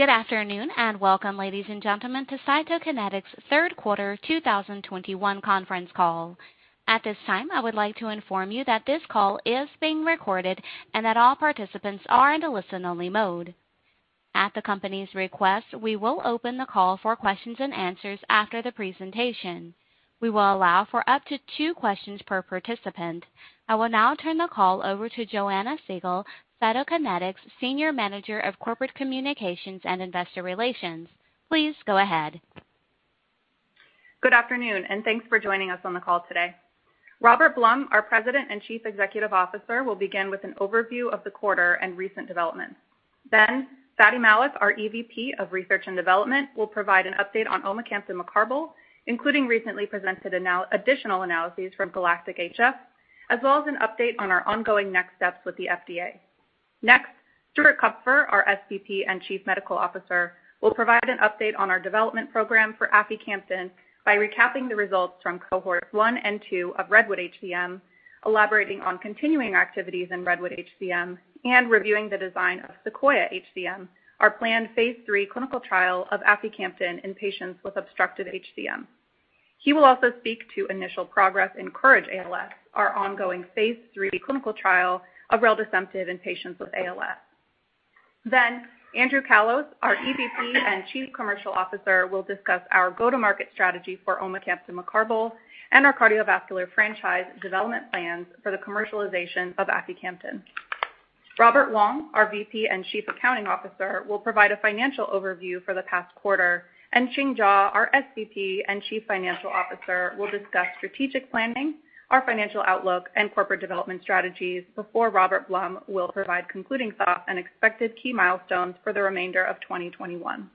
Good afternoon, and welcome, ladies and gentlemen, to Cytokinetics' Q3 2021 conference call. At this time, I would like to inform you that this call is being recorded and that all participants are in a listen-only mode. At the company's request, we will open the call for questions and answers after the presentation. We will allow for up to two questions per participant. I will now turn the call over to Joanna Siegall, Senior Manager of Corporate Communications and Investor Relations, Cytokinetics. Please go ahead. Good afternoon, and thanks for joining us on the call today. Robert Blum, our President and Chief Executive Officer, will begin with an overview of the quarter and recent developments. Fady Malik, our EVP of Research and Development, will provide an update on omecamtiv mecarbil, including recently presented additional analyses from GALACTIC-HF, as well as an update on our ongoing next steps with the FDA. Stuart Kupfer, our SVP and Chief Medical Officer, will provide an update on our development program for aficamten by recapping the results from cohort one and two of REDWOOD-HCM, elaborating on continuing activities in REDWOOD-HCM, and reviewing the design of SEQUOIA-HCM, our planned phase III clinical trial of aficamten in patients with obstructive HCM. He will also speak to initial progress in COURAGE-ALS, our ongoing phase III clinical trial of reldesemtiv in patients with ALS. Andrew Callos, our EVP and Chief Commercial Officer, will discuss our go-to-market strategy for omecamtiv mecarbil and our cardiovascular franchise development plans for the commercialization of aficamten. Robert Wong, our VP and Chief Accounting Officer, will provide a financial overview for the past quarter, and Ching Jaw, our SVP and Chief Financial Officer, will discuss strategic planning, our financial outlook, and corporate development strategies before Robert Blum will provide concluding thoughts and expected key milestones for the remainder of 2021.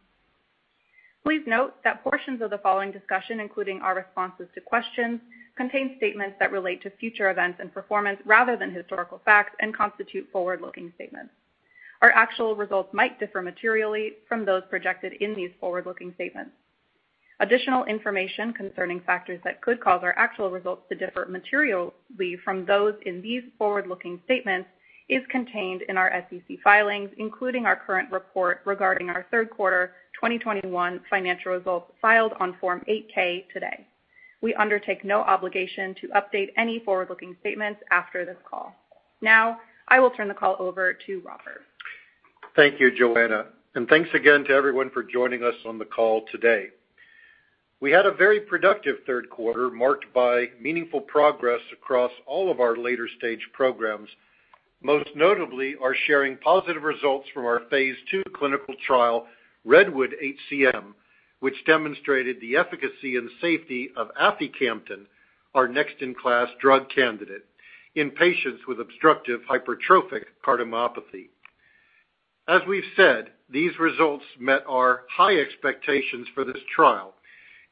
Please note that portions of the following discussion, including our responses to questions, contain statements that relate to future events and performance rather than historical facts and constitute forward-looking statements. Our actual results might differ materially from those projected in these forward-looking statements. Additional information concerning factors that could cause our actual results to differ materially from those in these forward-looking statements is contained in our SEC filings, including our current report regarding our Q3 2021 financial results filed on Form 8-K today. We undertake no obligation to update any forward-looking statements after this call. Now, I will turn the call over to Robert. Thank you, Joanna. Thanks again to everyone for joining us on the call today. We had a very productive Q3, marked by meaningful progress across all of our later-stage programs. Most notably, we are sharing positive results from our phase II clinical trial, REDWOOD-HCM, which demonstrated the efficacy and safety of aficamten, our next-in-class drug candidate in patients with obstructive hypertrophic cardiomyopathy. As we've said, these results met our high expectations for this trial,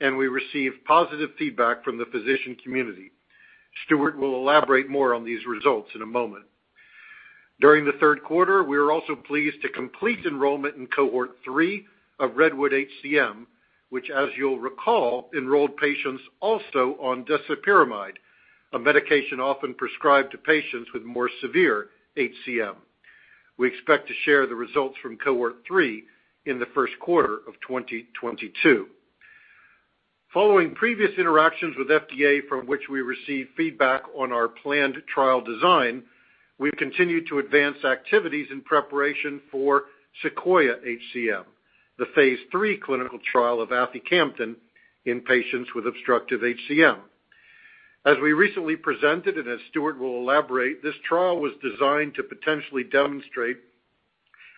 and we received positive feedback from the physician community. Stuart will elaborate more on these results in a moment. During the Q3, we were also pleased to complete enrollment in cohort 3 of REDWOOD-HCM, which, as you'll recall, enrolled patients also on disopyramide, a medication often prescribed to patients with more severe HCM. We expect to share the results from cohort 3 in the Q1of 2022. Following previous interactions with FDA, from which we received feedback on our planned trial design, we've continued to advance activities in preparation for SEQUOIA-HCM, the phase III clinical trial of aficamten in patients with obstructive HCM. As we recently presented, and as Stuart will elaborate, this trial was designed to potentially demonstrate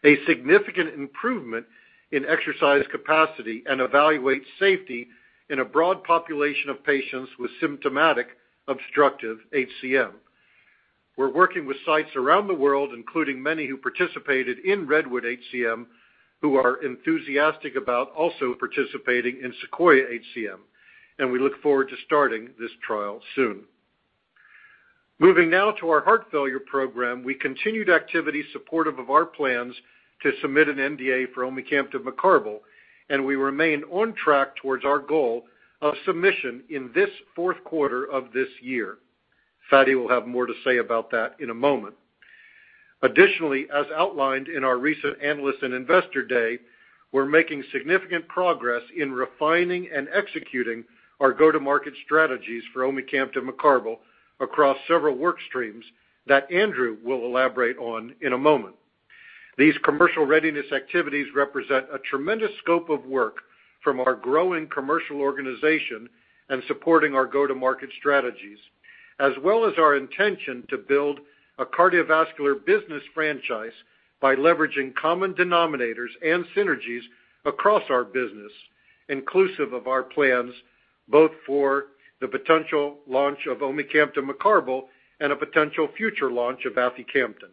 a significant improvement in exercise capacity and evaluate safety in a broad population of patients with symptomatic obstructive HCM. We're working with sites around the world, including many who participated in REDWOOD-HCM, who are enthusiastic about also participating in SEQUOIA-HCM, and we look forward to starting this trial soon. Moving now to our heart failure program, we continued activities supportive of our plans to submit an NDA for omecamtiv mecarbil, and we remain on track towards our goal of submission in this Q4 of this. Fady will have more to say about that in a moment. Additionally, as outlined in our recent Analyst and Investor Day, we're making significant progress in refining and executing our go-to-market strategies for omecamtiv mecarbil across several work streams that Andrew will elaborate on in a moment. These commercial readiness activities represent a tremendous scope of work from our growing commercial organization and supporting our go-to-market strategies, as well as our intention to build a cardiovascular business franchise by leveraging common denominators and synergies across our business, inclusive of our plans both for the potential launch of omecamtiv mecarbil and a potential future launch of aficamten.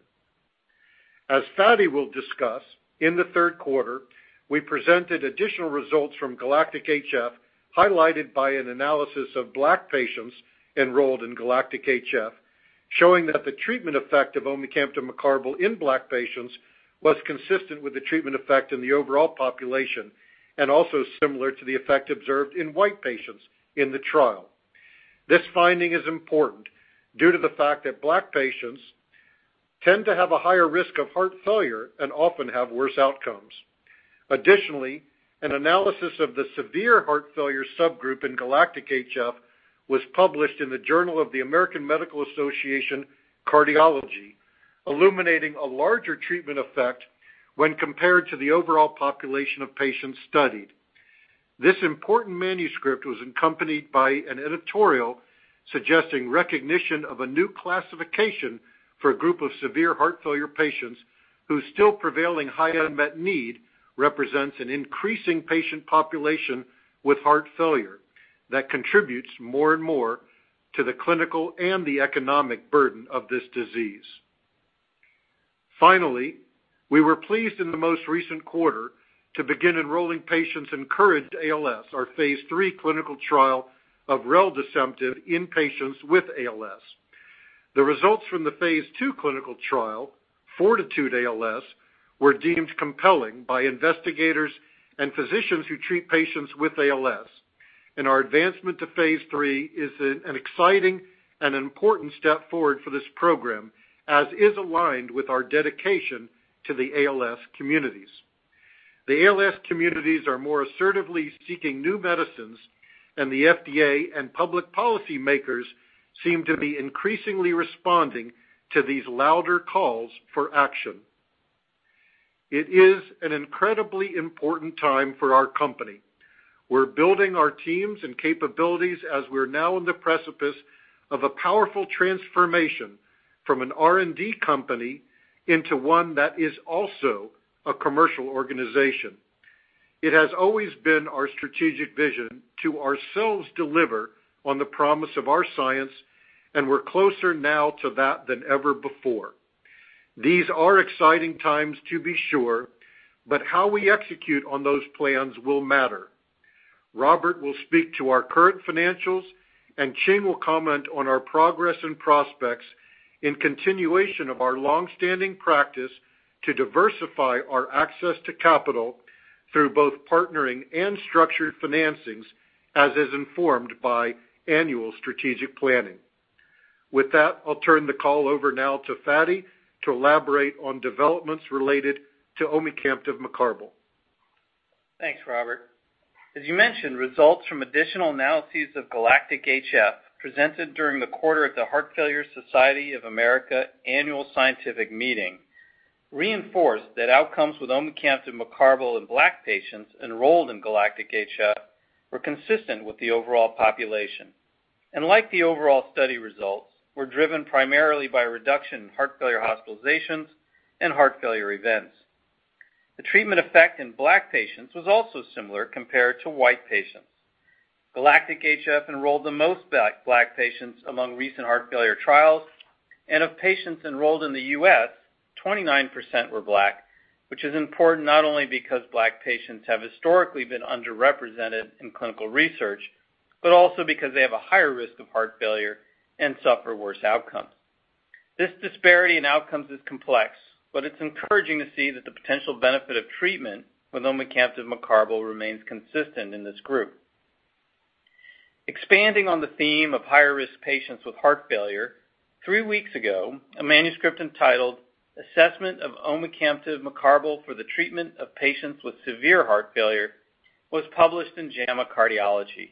As Fady will discuss, in the Q3, we presented additional results from GALACTIC-HF, highlighted by an analysis of Black patients enrolled in GALACTIC-HF, showing that the treatment effect of omecamtiv mecarbil in Black patients was consistent with the treatment effect in the overall population and also similar to the effect observed in white patients in the trial. This finding is important due to the fact that Black patients tend to have a higher risk of heart failure and often have worse outcomes. Additionally, an analysis of the severe heart failure subgroup in GALACTIC-HF was published in JAMA Cardiology, illuminating a larger treatment effect when compared to the overall population of patients studied. This important manuscript was accompanied by an editorial suggesting recognition of a new classification for a group of severe heart failure patients whose still prevailing high unmet need represents an increasing patient population with heart failure that contributes more and more to the clinical and the economic burden of this disease. Finally, we were pleased in the most recent quarter to begin enrolling patients in COURAGE-ALS, our phase III clinical trial of reldesemtiv in patients with ALS. The results from the phase II clinical trial, FORTITUDE-ALS, were deemed compelling by investigators and physicians who treat patients with ALS. Our advancement to phase III is an exciting and important step forward for this program, as is aligned with our dedication to the ALS communities. The ALS communities are more assertively seeking new medicines, and the FDA and public policy makers seem to be increasingly responding to these louder calls for action. It is an incredibly important time for our company. We're building our teams and capabilities as we're now on the precipice of a powerful transformation from an R&D company into one that is also a commercial organization. It has always been our strategic vision to ourselves deliver on the promise of our science, and we're closer now to that than ever before. These are exciting times, to be sure, but how we execute on those plans will matter. Robert will speak to our current financials, and Ching will comment on our progress and prospects in continuation of our long-standing practice to diversify our access to capital through both partnering and structured financings, as is informed by annual strategic planning. With that, I'll turn the call over now to Fady to elaborate on developments related to omecamtiv mecarbil. Thanks, Robert. As you mentioned, results from additional analyses of GALACTIC-HF presented during the quarter at the Heart Failure Society of America annual scientific meeting reinforced that outcomes with omecamtiv mecarbil in Black patients enrolled in GALACTIC-HF were consistent with the overall population. Like the overall study results, were driven primarily by reduction in heart failure hospitalizations and heart failure events. The treatment effect in Black patients was also similar compared to white patients. GALACTIC-HF enrolled the most Black patients among recent heart failure trials, and of patients enrolled in the U.S., 29% were Black, which is important not only because Black patients have historically been underrepresented in clinical research, but also because they have a higher risk of heart failure and suffer worse outcomes. This disparity in outcomes is complex, but it's encouraging to see that the potential benefit of treatment with omecamtiv mecarbil remains consistent in this group. Expanding on the theme of higher-risk patients with heart failure, three weeks ago, a manuscript entitled "Assessment of omecamtiv mecarbil for the treatment of patients with severe heart failure" was published in JAMA Cardiology,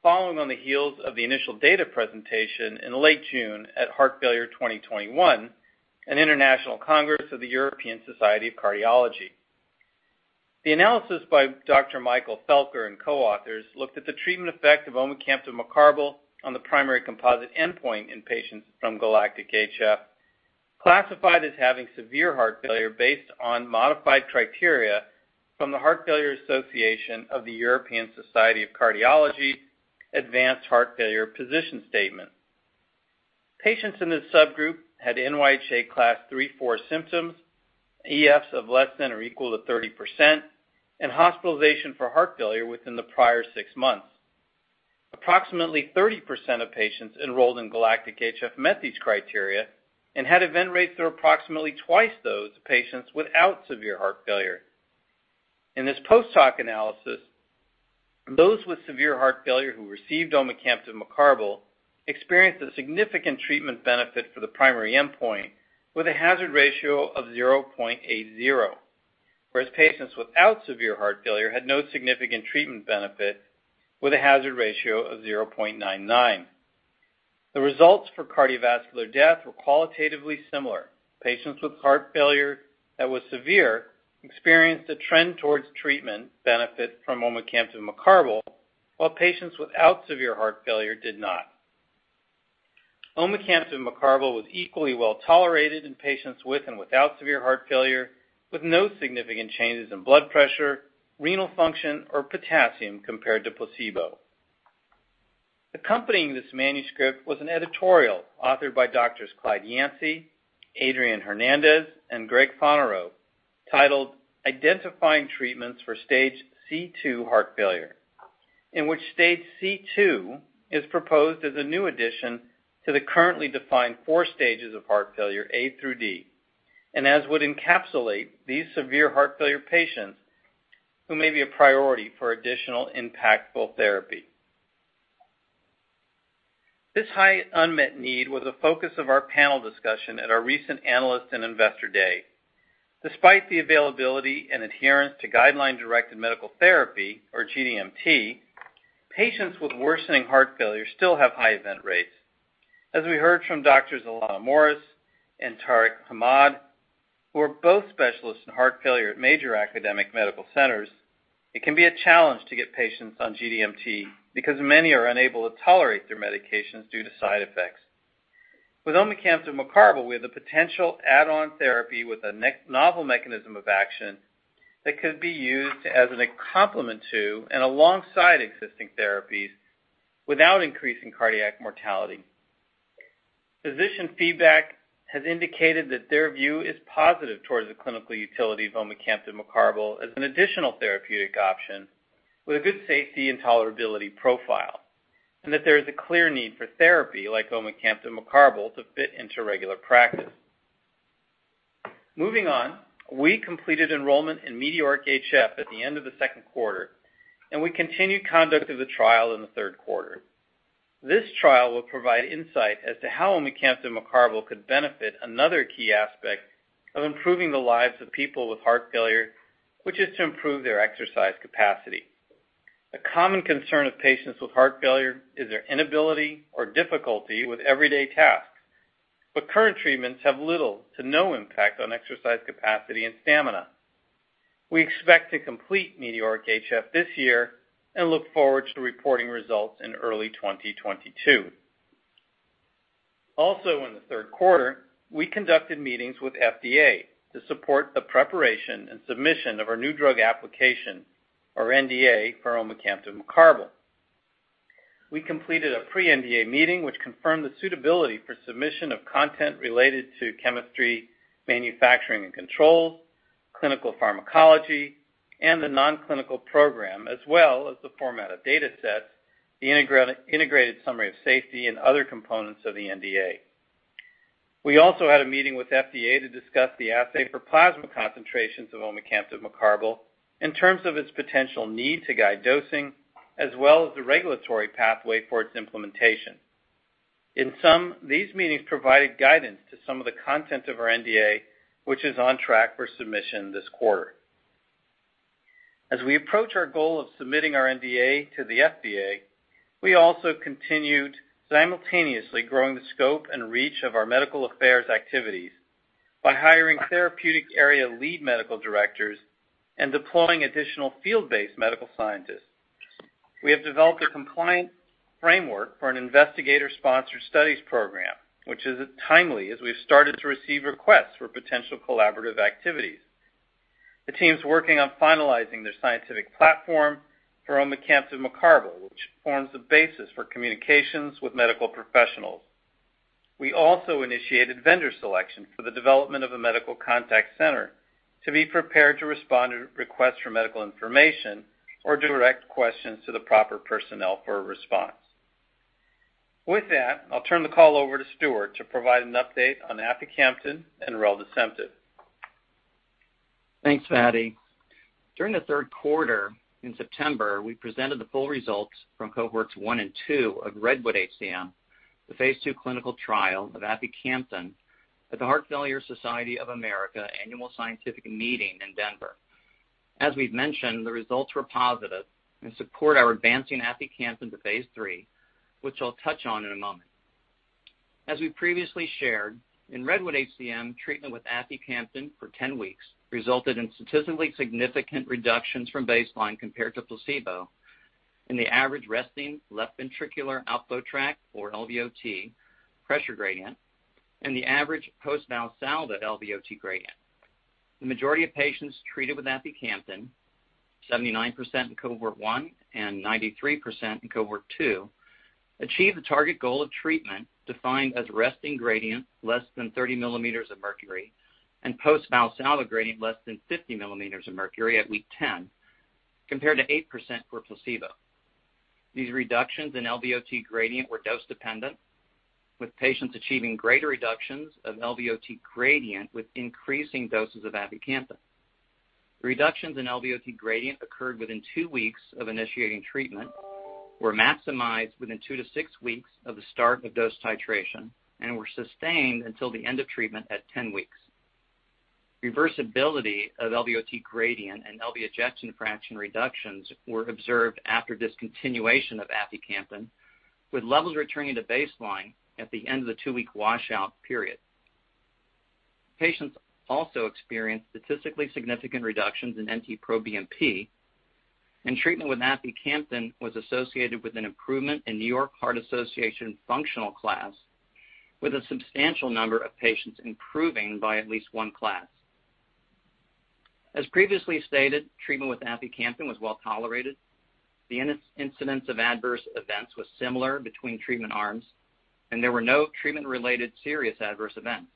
following on the heels of the initial data presentation in late June at Heart Failure 2021, an international congress of the European Society of Cardiology. The analysis by Dr. Michael Felker and coauthors looked at the treatment effect of omecamtiv mecarbil on the primary composite endpoint in patients from GALACTIC-HF, classified as having severe heart failure based on modified criteria from the Heart Failure Association of the European Society of Cardiology advanced heart failure position statement. Patients in this subgroup had NYHA class III/IV symptoms, EFs of less than or equal to 30%, and hospitalization for heart failure within the prior 6 months. Approximately 30% of patients enrolled in GALACTIC-HF met these criteria and had event rates that are approximately twice those patients without severe heart failure. In this post-hoc analysis, those with severe heart failure who received omecamtiv mecarbil experienced a significant treatment benefit for the primary endpoint with a hazard ratio of 0.80, whereas patients without severe heart failure had no significant treatment benefit with a hazard ratio of 0.99. The results for cardiovascular death were qualitatively similar. Patients with heart failure that was severe experienced a trend towards treatment benefit from omecamtiv mecarbil, while patients without severe heart failure did not. Omecamtiv mecarbil was equally well-tolerated in patients with and without severe heart failure, with no significant changes in blood pressure, renal function, or potassium compared to placebo. Accompanying this manuscript was an editorial authored by Dr. Clyde Yancy, Dr. Adrian Hernandez, and Dr. Greg Fonarow, titled "Identifying Treatments for Stage C2 Heart Failure," in which Stage C2 is proposed as a new addition to the currently defined four stages of heart failure, A through D, and as would encapsulate these severe heart failure patients who may be a priority for additional impactful therapy. This high unmet need was a focus of our panel discussion at our recent Analyst and Investor Day. Despite the availability and adherence to guideline-directed medical therapy, or GDMT, patients with worsening heart failure still have high event rates. As we heard from Drs. Alanna Morris and Tariq Ahmad, who are both specialists in heart failure at major academic medical centers, it can be a challenge to get patients on GDMT because many are unable to tolerate their medications due to side effects. With omecamtiv mecarbil, we have the potential add-on therapy with a novel mechanism of action that could be used as a complement to and alongside existing therapies without increasing cardiac mortality. Physician feedback has indicated that their view is positive towards the clinical utility of omecamtiv mecarbil as an additional therapeutic option with a good safety and tolerability profile, and that there is a clear need for therapy like omecamtiv mecarbil to fit into regular practice. Moving on, we completed enrollment in METEORIC-HF at the end of the Q2, and we continued conduct of the trial in the Q3. This trial will provide insight as to how omecamtiv mecarbil could benefit another key aspect of improving the lives of people with heart failure, which is to improve their exercise capacity. A common concern of patients with heart failure is their inability or difficulty with everyday tasks, but current treatments have little to no impact on exercise capacity and stamina. We expect to complete METEORIC-HF this year and look forward to reporting results in early 2022. Also, in the Q3, we conducted meetings with FDA to support the preparation and submission of our new drug application, or NDA, for omecamtiv mecarbil. We completed a pre-NDA meeting which confirmed the suitability for submission of content related to chemistry, manufacturing and control, clinical pharmacology, and the non-clinical program, as well as the format of datasets, the integrated summary of safety and other components of the NDA. We also had a meeting with FDA to discuss the assay for plasma concentrations of omecamtiv mecarbil in terms of its potential need to guide dosing, as well as the regulatory pathway for its implementation. In sum, these meetings provided guidance to some of the content of our NDA, which is on track for submission this quarter. As we approach our goal of submitting our NDA to the FDA, we also continued simultaneously growing the scope and reach of our medical affairs activities by hiring therapeutic area lead medical directors and deploying additional field-based medical scientists. We have developed a compliant framework for an investigator-sponsored studies program, which is timely as we've started to receive requests for potential collaborative activities. The team's working on finalizing their scientific platform for omecamtiv mecarbil, which forms the basis for communications with medical professionals. We also initiated vendor selection for the development of a medical contact center to be prepared to respond to requests for medical information or direct questions to the proper personnel for a response. With that, I'll turn the call over to Stuart to provide an update on aficamten and reldesemtiv. Thanks, Fady. During the Q3, in September, we presented the full results from cohorts 1 and 2 of REDWOOD-HCM, the phase II clinical trial of aficamten at the Heart Failure Society of America annual scientific meeting in Denver. As we've mentioned, the results were positive and support our advancing aficamten to phase III, which I'll touch on in a moment. As we previously shared, in REDWOOD-HCM, treatment with aficamten for 10 weeks resulted in statistically significant reductions from baseline compared to placebo in the average resting left ventricular outflow tract, or LVOT, pressure gradient and the average post-Valsalva LVOT gradient. The majority of patients treated with aficamten, 79% in cohort 1 and 93% in cohort 2, achieved the target goal of treatment defined as resting gradient less than 30 mm Hg and post-valsalva gradient less than 50 mm Hg at week 10, compared to 8% for placebo. These reductions in LVOT gradient were dose-dependent, with patients achieving greater reductions of LVOT gradient with increasing doses of aficamten. Reductions in LVOT gradient occurred within 2 weeks of initiating treatment, were maximized within 2-6 weeks of the start of dose titration, and were sustained until the end of treatment at 10 weeks. Reversibility of LVOT gradient and LV ejection fraction reductions were observed after discontinuation of aficamten, with levels returning to baseline at the end of the 2-week washout period. Patients also experienced statistically significant reductions in NT-proBNP, and treatment with aficamten was associated with an improvement in New York Heart Association functional class, with a substantial number of patients improving by at least one class. As previously stated, treatment with aficamten was well-tolerated. The incidence of adverse events was similar between treatment arms, and there were no treatment-related serious adverse events.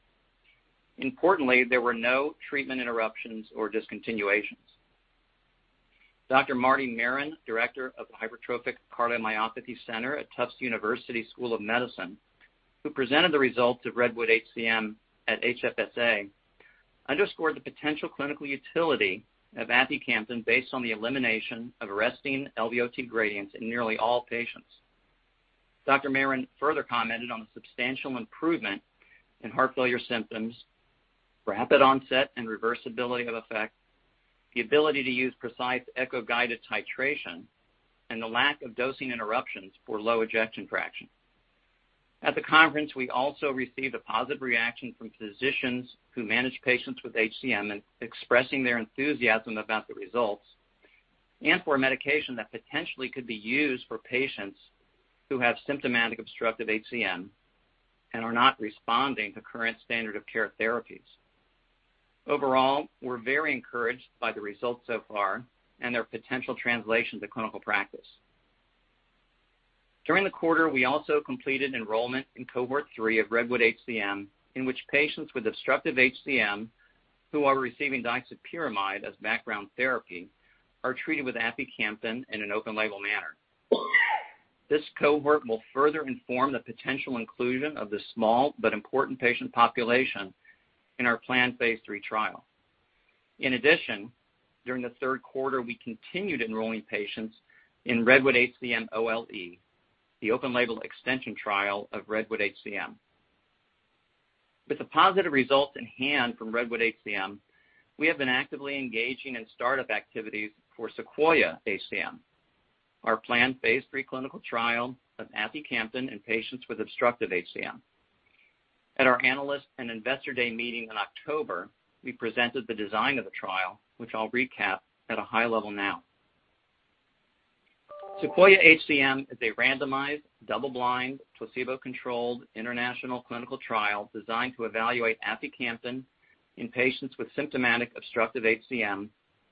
Importantly, there were no treatment interruptions or discontinuations. Dr. Marty Maron, director of the Hypertrophic Cardiomyopathy Center at Tufts University School of Medicine, who presented the results of REDWOOD-HCM at HFSA underscored the potential clinical utility of aficamten based on the elimination of resting LVOT gradients in nearly all patients. Dr. Maron further commented on the substantial improvement in heart failure symptoms, rapid onset and reversibility of effect, the ability to use precise echo-guided titration, and the lack of dosing interruptions for low ejection fraction. At the conference, we also received a positive reaction from physicians who manage patients with HCM in expressing their enthusiasm about the results and for a medication that potentially could be used for patients who have symptomatic obstructive HCM and are not responding to current standard of care therapies. Overall, we're very encouraged by the results so far and their potential translation to clinical practice. During the quarter, we also completed enrollment in cohort three of REDWOOD-HCM, in which patients with obstructive HCM who are receiving disopyramide as background therapy are treated with aficamten in an open-label manner. This cohort will further inform the potential inclusion of this small but important patient population in our planned phase III trial. In addition, during the Q3, we continued enrolling patients in REDWOOD-HCM OLE, the open-label extension trial of REDWOOD-HCM. With the positive results in hand from REDWOOD-HCM, we have been actively engaging in startup activities for SEQUOIA-HCM, our planned phase III clinical trial of aficamten in patients with obstructive HCM. At our Analyst and Investor Day meeting in October, we presented the design of the trial, which I'll recap at a high level now. SEQUOIA-HCM is a randomized, double-blind, placebo-controlled international clinical trial designed to evaluate aficamten in patients with symptomatic obstructive HCM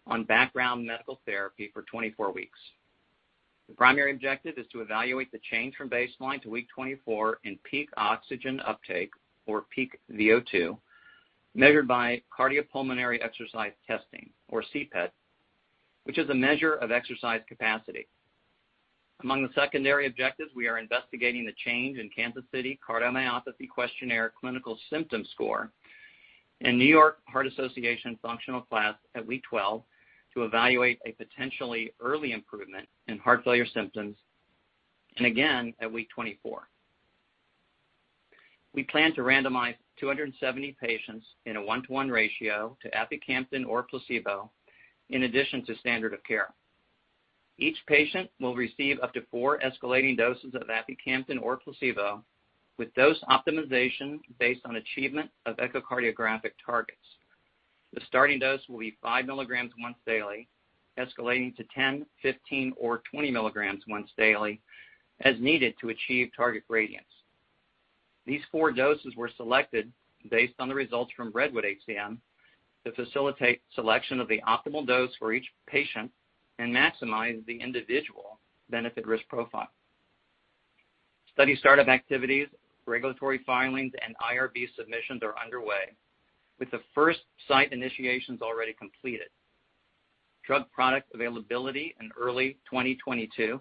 on background medical therapy for 24 weeks. The primary objective is to evaluate the change from baseline to week 24 in peak VO2, measured by CPET, which is a measure of exercise capacity. Among the secondary objectives, we are investigating the change in Kansas City Cardiomyopathy Questionnaire clinical symptom score and New York Heart Association functional class at week 12 to evaluate a potentially early improvement in heart failure symptoms and again at week 24. We plan to randomize 270 patients in a 1:1 ratio to aficamten or placebo in addition to standard of care. Each patient will receive up to 4 escalating doses of aficamten or placebo with dose optimization based on achievement of echocardiographic targets. The starting dose will be 5 milligrams once daily, escalating to 10, 15, or 20 milligrams once daily as needed to achieve target gradients. These 4 doses were selected based on the results from REDWOOD-HCM to facilitate selection of the optimal dose for each patient and maximize the individual benefit risk profile. Study startup activities, regulatory filings, and IRB submissions are underway, with the first site initiations already completed. Drug product availability in early 2022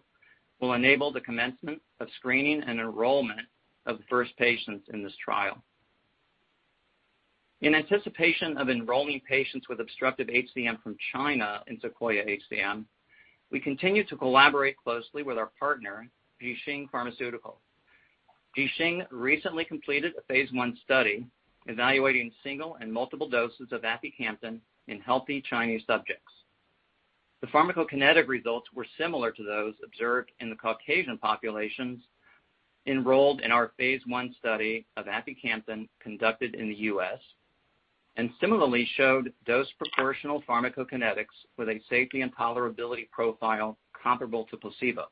will enable the commencement of screening and enrollment of the first patients in this trial. In anticipation of enrolling patients with obstructive HCM from China in SEQUOIA-HCM, we continue to collaborate closely with our partner, Jixing Pharmaceuticals. recently completed a phase I study evaluating single and multiple doses of aficamten in healthy Chinese subjects. The pharmacokinetic results were similar to those observed in the Caucasian populations enrolled in our phase I study of aficamten conducted in the U.S., and similarly showed dose proportional pharmacokinetics with a safety and tolerability profile comparable to placebo.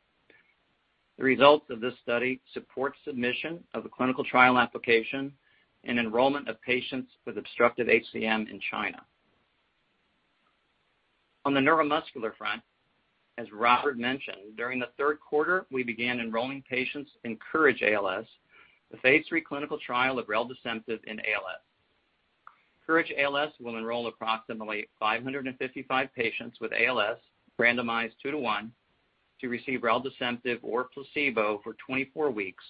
The results of this study support submission of a clinical trial application and enrollment of patients with obstructive HCM in China. On the neuromuscular front, as Robert mentioned, during the Q3, we began enrolling patients in COURAGE-ALS, the phase III clinical trial of reldesemtiv in ALS. COURAGE-ALS will enroll approximately 555 patients with ALS randomized 2 to 1 to receive reldesemtiv or placebo for 24 weeks,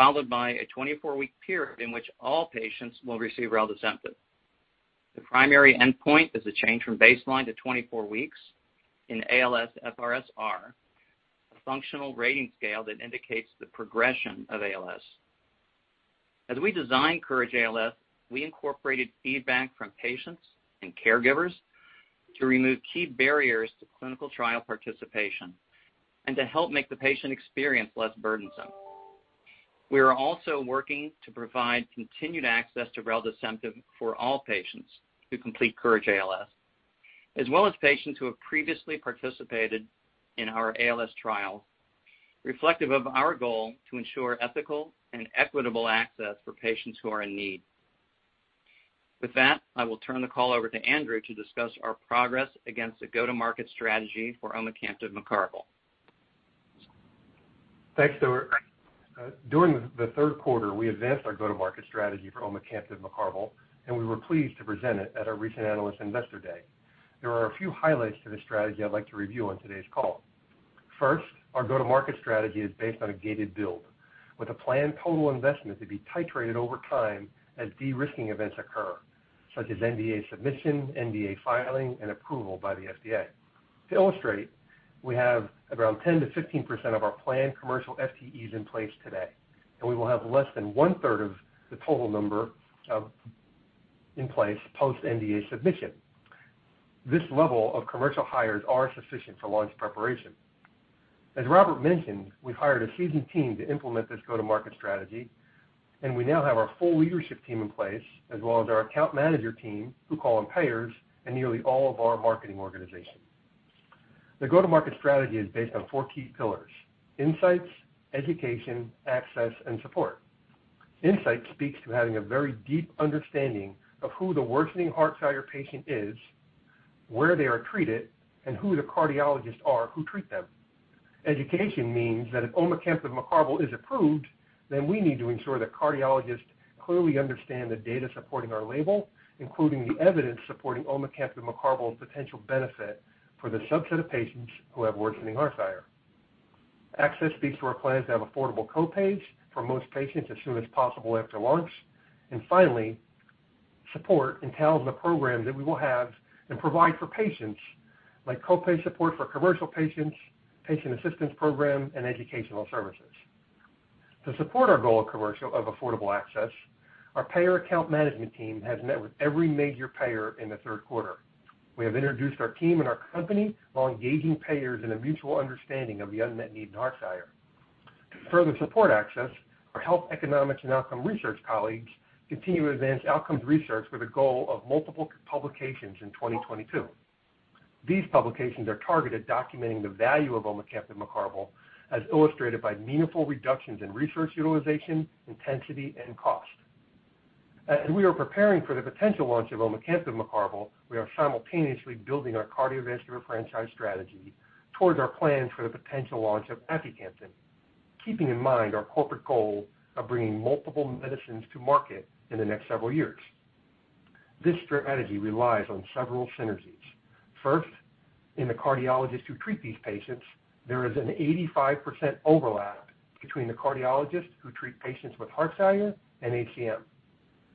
followed by a 24-week period in which all patients will receive reldesemtiv. The primary endpoint is a change from baseline to 24 weeks in ALSFRS-R, a functional rating scale that indicates the progression of ALS. As we designed COURAGE-ALS, we incorporated feedback from patients and caregivers to remove key barriers to clinical trial participation and to help make the patient experience less burdensome. We are also working to provide continued access to reldesemtiv for all patients who complete COURAGE-ALS, as well as patients who have previously participated in our ALS trial, reflective of our goal to ensure ethical and equitable access for patients who are in need. With that, I will turn the call over to Andrew to discuss our progress against the go-to-market strategy for omecamtiv mecarbil. Thanks, Stuart. During the Q3, we advanced our go-to-market strategy for omecamtiv mecarbil, and we were pleased to present it at our recent Analyst and Investor Day. There are a few highlights to this strategy I'd like to review on today's call. First, our go-to-market strategy is based on a gated build with a planned total investment to be titrated over time as de-risking events occur, such as NDA submission, NDA filing, and approval by the FDA. To illustrate, we have around 10%-15% of our planned commercial FTEs in place today, and we will have less than one-third of the total number of in place post NDA submission. This level of commercial hires are sufficient for launch preparation. As Robert mentioned, we hired a seasoned team to implement this go-to-market strategy, and we now have our full leadership team in place, as well as our account manager team, who call on payers and nearly all of our marketing organization. The go-to-market strategy is based on four key pillars, insights, education, access and support. Insights speaks to having a very deep understanding of who the worsening heart failure patient is, where they are treated, and who the cardiologists are who treat them. Education means that if omecamtiv mecarbil is approved, then we need to ensure that cardiologists clearly understand the data supporting our label, including the evidence supporting omecamtiv mecarbil's potential benefit for the subset of patients who have worsening heart failure. Access speaks to our plans to have affordable co-pays for most patients as soon as possible after launch. Finally, support entails the program that we will have and provide for patients like co-pay support for commercial patients, patient assistance program, and educational services. To support our goal of affordable access, our payer account management team has met with every major payer in the Q3. We have introduced our team and our company while engaging payers in a mutual understanding of the unmet need in heart failure. To further support access, our health economics and outcome research colleagues continue to advance outcomes research with a goal of multiple publications in 2022. These publications are targeted documenting the value of omecamtiv mecarbil, as illustrated by meaningful reductions in resource utilization, intensity, and cost. As we are preparing for the potential launch of omecamtiv mecarbil, we are simultaneously building our cardiovascular franchise strategy towards our plans for the potential launch of aficamten, keeping in mind our corporate goal of bringing multiple medicines to market in the next several years. This strategy relies on several synergies. First, in the cardiologists who treat these patients, there is an 85% overlap between the cardiologists who treat patients with heart failure and HCM.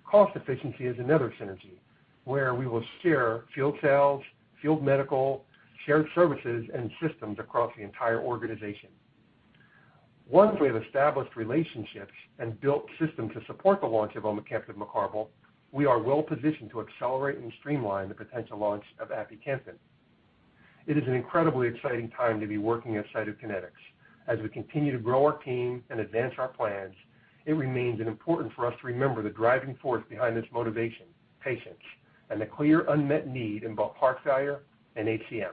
Cost efficiency is another synergy where we will share field sales, field medical, shared services and systems across the entire organization. Once we have established relationships and built systems to support the launch of omecamtiv mecarbil, we are well positioned to accelerate and streamline the potential launch of aficamten. It is an incredibly exciting time to be working at Cytokinetics. As we continue to grow our team and advance our plans, it remains important for us to remember the driving force behind this motivation, patients, and the clear unmet need in both heart failure and HCM.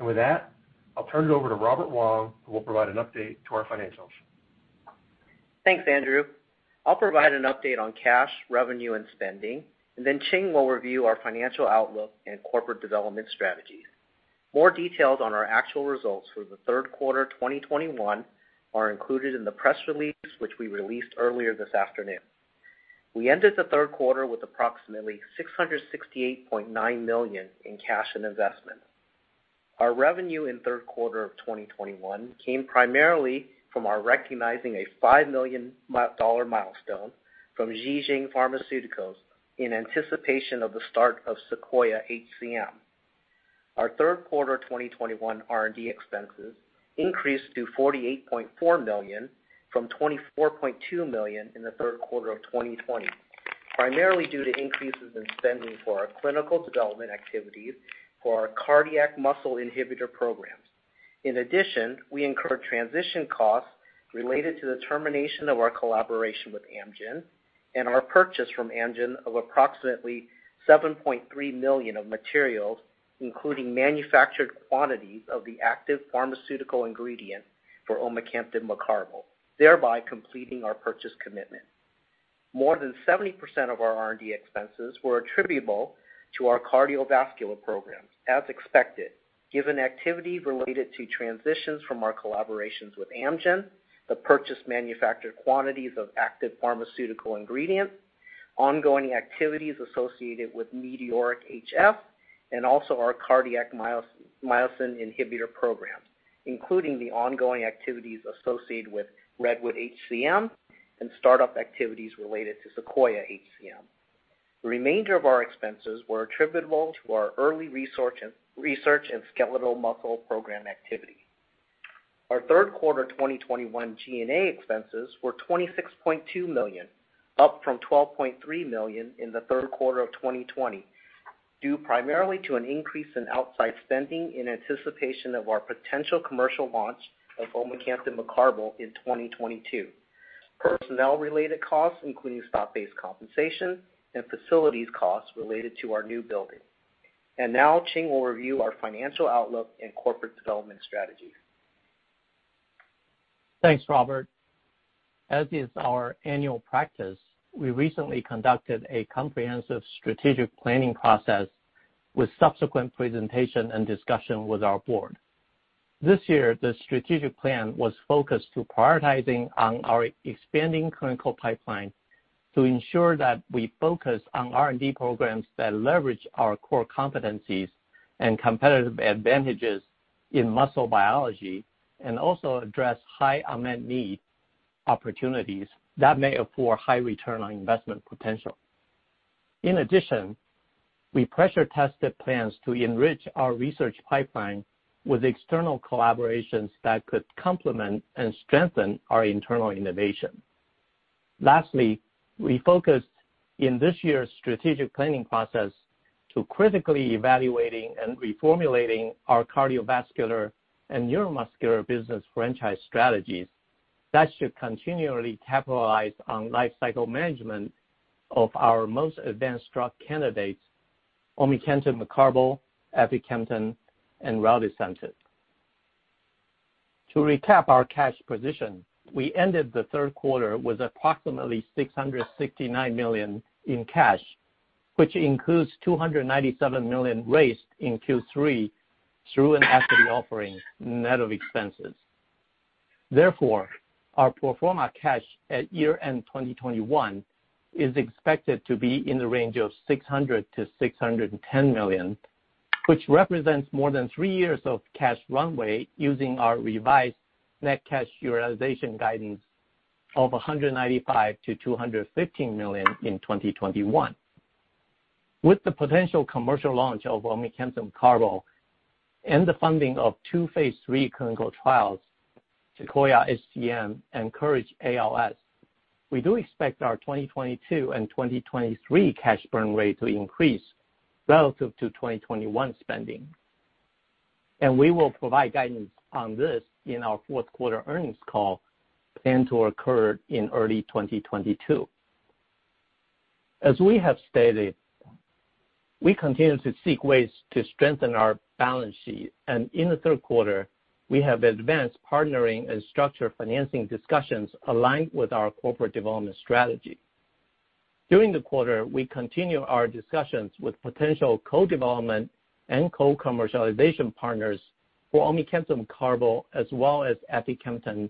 With that, I'll turn it over to Robert Wong, who will provide an update to our financials. Thanks, Andrew. I'll provide an update on cash, revenue and spending, and then Ching will review our financial outlook and corporate development strategies. More details on our actual results for the Q3 2021 are included in the press release, which we released earlier this afternoon. We ended the Q3 with approximately $668.9 million in cash and investments. Our revenue in Q3 of 2021 came primarily from our recognizing a $5 million dollar milestone from Ji Xing Pharmaceuticals in anticipation of the start of SEQUOIA-HCM. Our Q3 2021 R&D expenses increased to $48.4 million from $24.2 million in the Q3 of 2020, primarily due to increases in spending for our clinical development activities for our cardiac myosin inhibitor programs. In addition, we incurred transition costs related to the termination of our collaboration with and our purchase from Amgen of approximately $7.3 million of materials, including manufactured quantities of the active pharmaceutical ingredient for omecamtiv mecarbil, thereby completing our purchase commitment. More than 70% of our R&D expenses were attributable to our cardiovascular programs, as expected, given activities related to transitions from our collaborations with Amgen, the purchased manufactured quantities of active pharmaceutical ingredients, ongoing activities associated with METEORIC-HF, and also our cardiac myosin inhibitor program, including the ongoing activities associated with REDWOOD-HCM and startup activities related to SEQUOIA-HCM. The remainder of our expenses were attributable to our early research and research in skeletal muscle program activity. Our Q3 2021 G&A expenses were $26.2 million, up from $12.3 million in the Q3 of 2020 due primarily to an increase in outside spending in anticipation of our potential commercial launch of omecamtiv mecarbil in 2022, personnel-related costs, including stock-based compensation and facilities costs related to our new building. Now Ching will review our financial outlook and corporate development strategies. Thanks, Robert. As is our annual practice, we recently conducted a comprehensive strategic planning process with subsequent presentation and discussion with our board. This year, the strategic plan was focused on prioritizing our expanding clinical pipeline. To ensure that we focus on R&D programs that leverage our core competencies and competitive advantages in muscle biology and also address high unmet need opportunities that may afford high return on investment potential. In addition, we pressure tested plans to enrich our research pipeline with external collaborations that could complement and strengthen our internal innovation. Lastly, we focused in this year's strategic planning process to critically evaluating and reformulating our cardiovascular and neuromuscular business franchise strategies that should continually capitalize on life cycle management of our most advanced drug candidates, omecamtiv mecarbil, aficamten, and reldesemtiv. To recap our cash position, we ended the Q3 with approximately $669 million in cash, which includes $297 million raised in Q3 through an equity offering net of expenses. Therefore, our pro forma cash at year-end 2021 is expected to be in the range of $600 million-$610 million, which represents more than three years of cash runway using our revised net cash utilization guidance of $195 million-$215 million in 2021. With the potential commercial launch of omecamtiv mecarbil and the funding of two phase III clinical trials, SEQUOIA-HCM and COURAGE-ALS, we do expect our 2022 and 2023 cash burn rate to increase relative to 2021 spending. We will provide guidance on this in our Q4 earnings call, planned to occur in early 2022. As we have stated, we continue to seek ways to strengthen our balance sheet, and in the Q3, we have advanced partnering and structured financing discussions aligned with our corporate development strategy. During the quarter, we continue our discussions with potential co-development and co-commercialization partners for omecamtiv mecarbil as well as aficamten,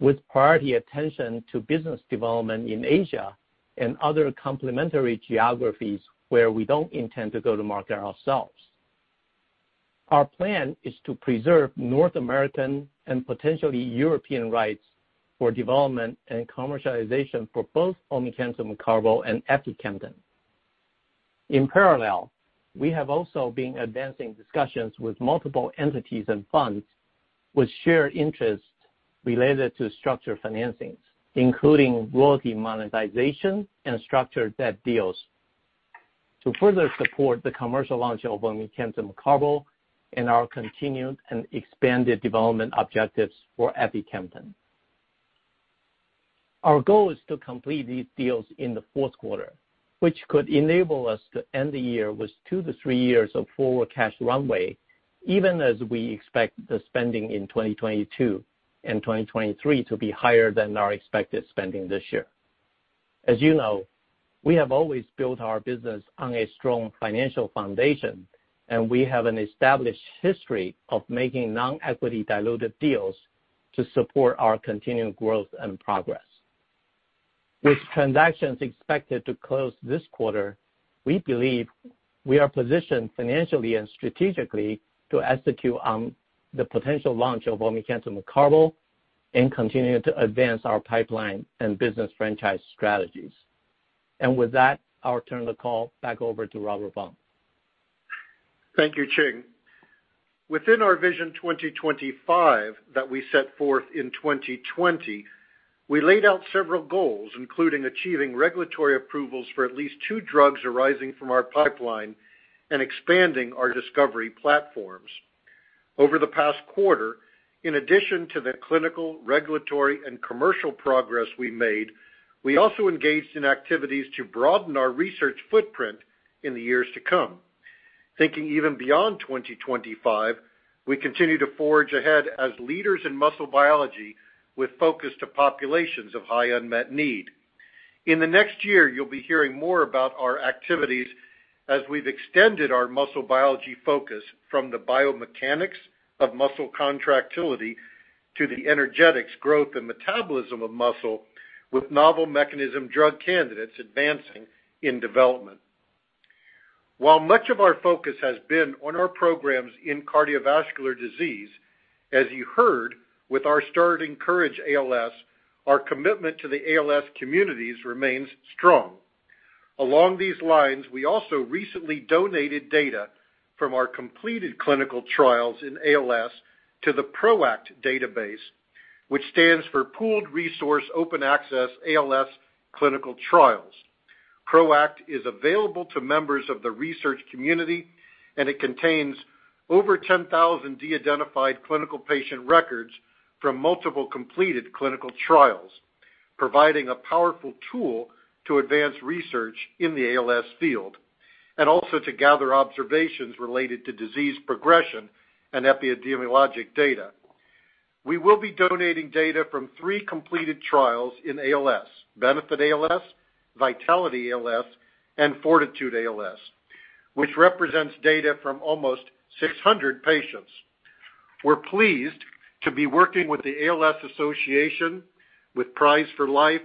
with priority attention to business development in Asia and other complementary geographies where we don't intend to go to market ourselves. Our plan is to preserve North American and potentially European rights for development and commercialization for both omecamtiv mecarbil and aficamten. In parallel, we have also been advancing discussions with multiple entities and funds with shared interests related to structured financings, including royalty monetization and structured debt deals, to further support the commercial launch of omecamtiv mecarbil and our continued and expanded development objectives for aficamten. Our goal is to complete these deals in the Q4, which could enable us to end the year with two-three years of forward cash runway, even as we expect the spending in 2022 and 2023 to be higher than our expected spending this year. As, we have always built our business on a strong financial foundation, and we have an established history of making non-equity dilutive deals to support our continued growth and progress. With transactions expected to close this quarter, we believe we are positioned financially and strategically to execute on the potential launch of omecamtiv mecarbil and continue to advance our pipeline and business franchise strategies. With that, I'll turn the call back over to Robert Blum. Thank you, Ching. Within our Vision 2025 that we set forth in 2020, we laid out several goals, including achieving regulatory approvals for at least two drugs arising from our pipeline and expanding our discovery platforms. Over the past quarter, in addition to the clinical, regulatory, and commercial progress we made, we also engaged in activities to broaden our research footprint in the years to come. Thinking even beyond 2025, we continue to forge ahead as leaders in muscle biology with focus to populations of high unmet need. In the next year, you'll be hearing more about our activities as we've extended our muscle biology focus from the biomechanics of muscle contractility to the energetics growth and metabolism of muscle with novel mechanism drug candidates advancing in development. While much of our focus has been on our programs in cardiovascular disease, as you heard with our start in COURAGE-ALS, our commitment to the ALS communities remains strong. Along these lines, we also recently donated data from our completed clinical trials in ALS to the PRO-ACT database, which stands for Pooled Resource Open-Access ALS Clinical Trials. PRO-ACT is available to members of the research community, and it contains over 10,000 de-identified clinical patient records from multiple completed clinical trials, providing a powerful tool to advance research in the ALS field and also to gather observations related to disease progression and epidemiologic data. We will be donating data from three completed trials in ALS, Benefit ALS, Vitality ALS, and Fortitude ALS, which represents data from almost 600 patients. We're pleased to be working with the ALS Association, with Prize4Life,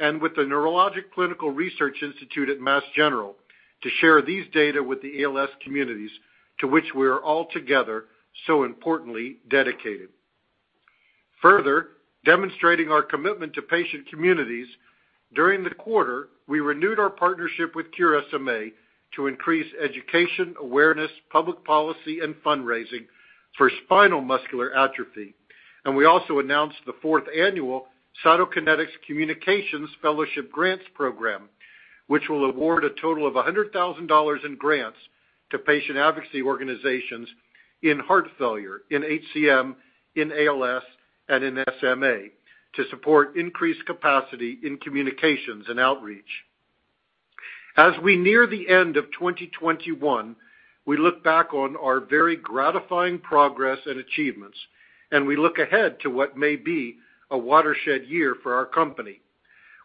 and with the Neurological Clinical Research Institute at to share these data with the ALS communities to which we are all together so importantly dedicated. Further demonstrating our commitment to patient communities, during the quarter, we renewed our partnership with Cure SMA to increase education, awareness, public policy, and fundraising for spinal muscular atrophy. We also announced the fourth annual Cytokinetics Communications Fellowship Grants program, which will award a total of $100,000 in grants to patient advocacy organizations in heart failure, in HCM, in ALS, and in SMA to support increased capacity in communications and outreach. As we near the end of 2021, we look back on our very gratifying progress and achievements, and we look ahead to what may be a watershed year for our company.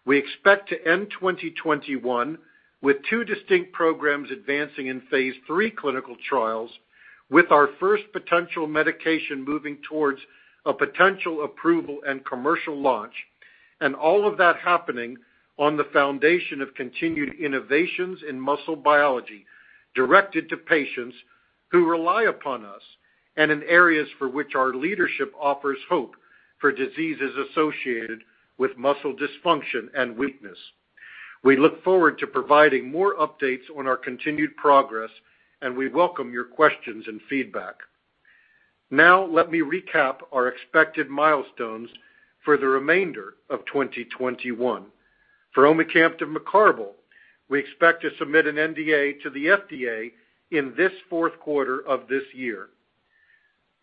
We expect to end 2021 with two distinct programs advancing in phase III clinical trials with our first potential medication moving towards a potential approval and commercial launch, and all of that happening on the foundation of continued innovations in muscle biology directed to patients who rely upon us and in areas for which our leadership offers hope for diseases associated with muscle dysfunction and weakness. We look forward to providing more updates on our continued progress, and we welcome your questions and feedback. Now, let me recap our expected milestones for the remainder of 2021. For omecamtiv mecarbil, we expect to submit an NDA to the FDA in this Q4 of this year.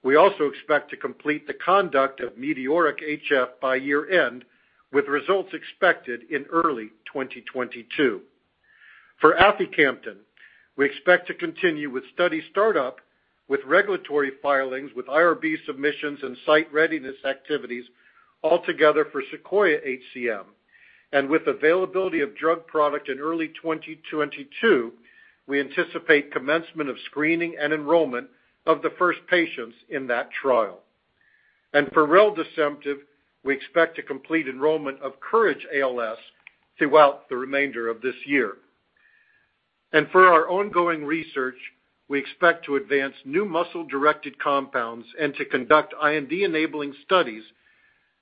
We also expect to complete the conduct of METEORIC-HF by year-end, with results expected in early 2022. For aficamten, we expect to continue with study start up with regulatory filings, with IRB submissions and site readiness activities altogether for SEQUOIA-HCM. With availability of drug product in early 2022, we anticipate commencement of screening and enrollment of the first patients in that trial. For reldesemtiv, we expect to complete enrollment of COURAGE-ALS throughout the remainder of this year. For our ongoing research, we expect to advance new muscle-directed compounds and to conduct IND-enabling studies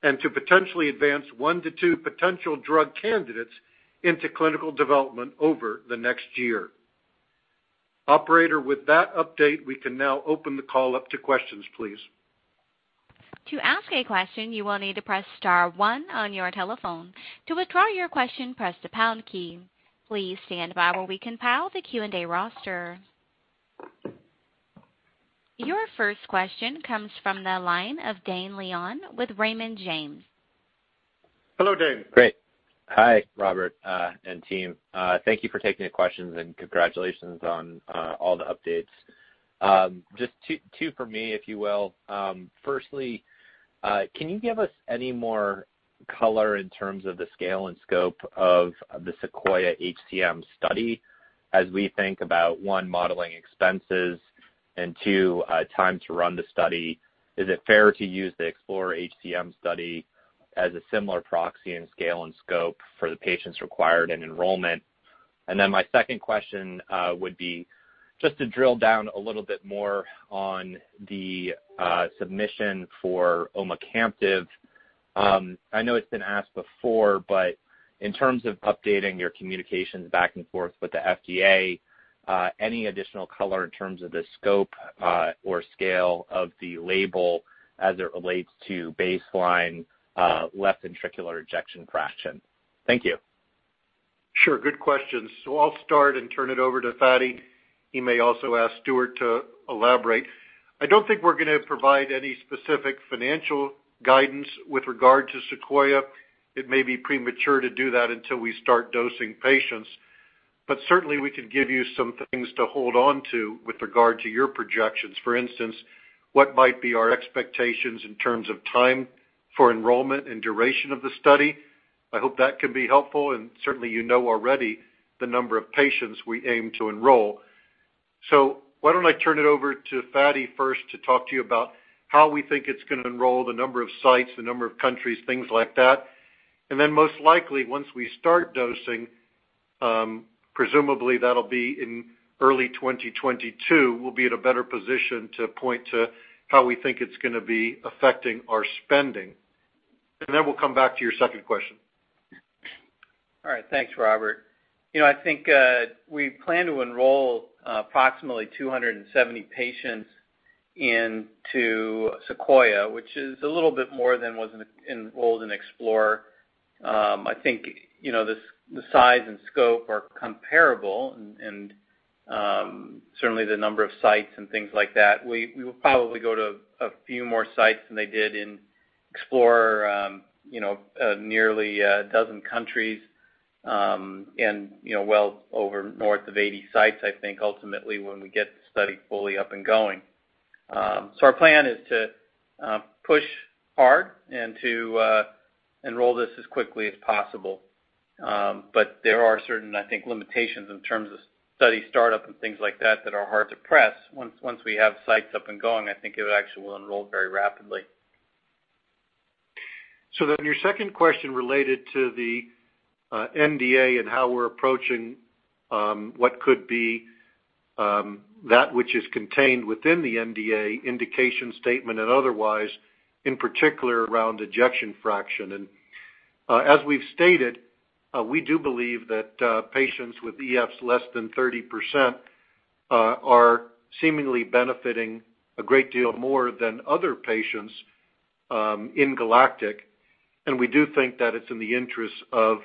and to potentially advance one to two potential drug candidates into clinical development over the next year. Operator, with that update, we can now open the call up to questions, please. To ask a question, you will need to press star one on your telephone. To withdraw your question, press the pound key. Please stand by while we compile the Q&A roster. Your first question comes from the line of Dane Leone with Raymond James. Hello, Dane. Great. Hi, Robert, and team. Thank you for taking the questions, and congratulations on all the updates. Just two for me, if you will. Firstly, can you give us any more color in terms of the scale and scope of the SEQUOIA-HCM study as we think about, one, modeling expenses and two, time to run the study? Is it fair to use the EXPLORER-HCM study as a similar proxy in scale and scope for the patients required in enrollment? My second question would be just to drill down a little bit more on the submission for omecamtiv. I know it's been asked before, but in terms of updating your communications back and forth with the FDA, any additional color in terms of the scope, or scale of the label as it relates to baseline, left ventricular ejection fraction? Thank you. Sure. Good questions. I'll start and turn it over to Fady. He may also ask Stuart to elaborate. I don't think we're gonna provide any specific financial guidance with regard to SEQUOIA. It may be premature to do that until we start dosing patients. Certainly, we could give you some things to hold on to with regard to your projections. For instance, what might be our expectations in terms of time for enrollment and duration of the study. I hope that can be helpful, and certainly, already the number of patients we aim to enroll. Why don't I turn it over to Fady first to talk to you about how we think it's gonna enroll, the number of sites, the number of countries, things like that. Most likely, once we start dosing, presumably that'll be in early 2022, we'll be in a better position to point to how we think it's gonna be affecting our spending. We'll come back to your second question. All right. Thanks, Robert. You know, I think we plan to enroll approximately 270 patients into SEQUOIA, which is a little bit more than was enrolled in EXPLORER. I think, you know, the size and scope are comparable and certainly the number of sites and things like that. We will probably go to a few more sites than they did in EXPLORER, nearly a dozen countries, and well over north of 80 sites, I think, ultimately, when we get the study fully up and going. Our plan is to push hard and to enroll this as quickly as possible. There are certain, I think, limitations in terms of study startup and things like that that are hard to press. Once we have sites up and going, I think it actually will enroll very rapidly. Your second question related to the NDA and how we're approaching what could be that which is contained within the NDA indication statement and otherwise, in particular around ejection fraction. As we've stated, we do believe that patients with EFs less than 30% are seemingly benefiting a great deal more than other patients in GALACTIC. We do think that it's in the interest of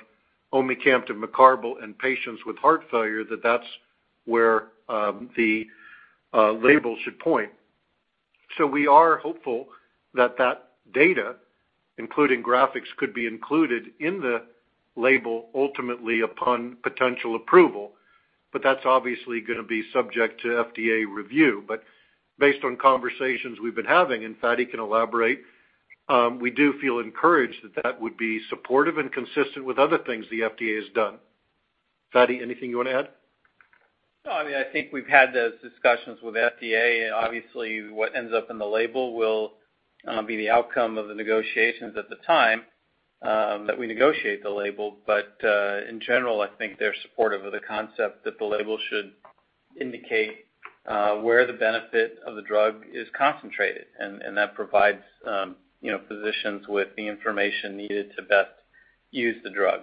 omecamtiv mecarbil and patients with heart failure that that's where the label should point. We are hopeful that that data, including graphics, could be included in the label ultimately upon potential approval. But that's obviously going to be subject to FDA review. based on conversations we've been having, and Fady can elaborate, we do feel encouraged that that would be supportive and consistent with other things the FDA has done. Fady, anything you want to add? No, I mean, I think we've had those discussions with FDA, and obviously what ends up in the label will be the outcome of the negotiations at the time that we negotiate the label. In general, I think they're supportive of the concept that the label should indicate where the benefit of the drug is concentrated, and that provides, physicians with the information needed to best use the drug.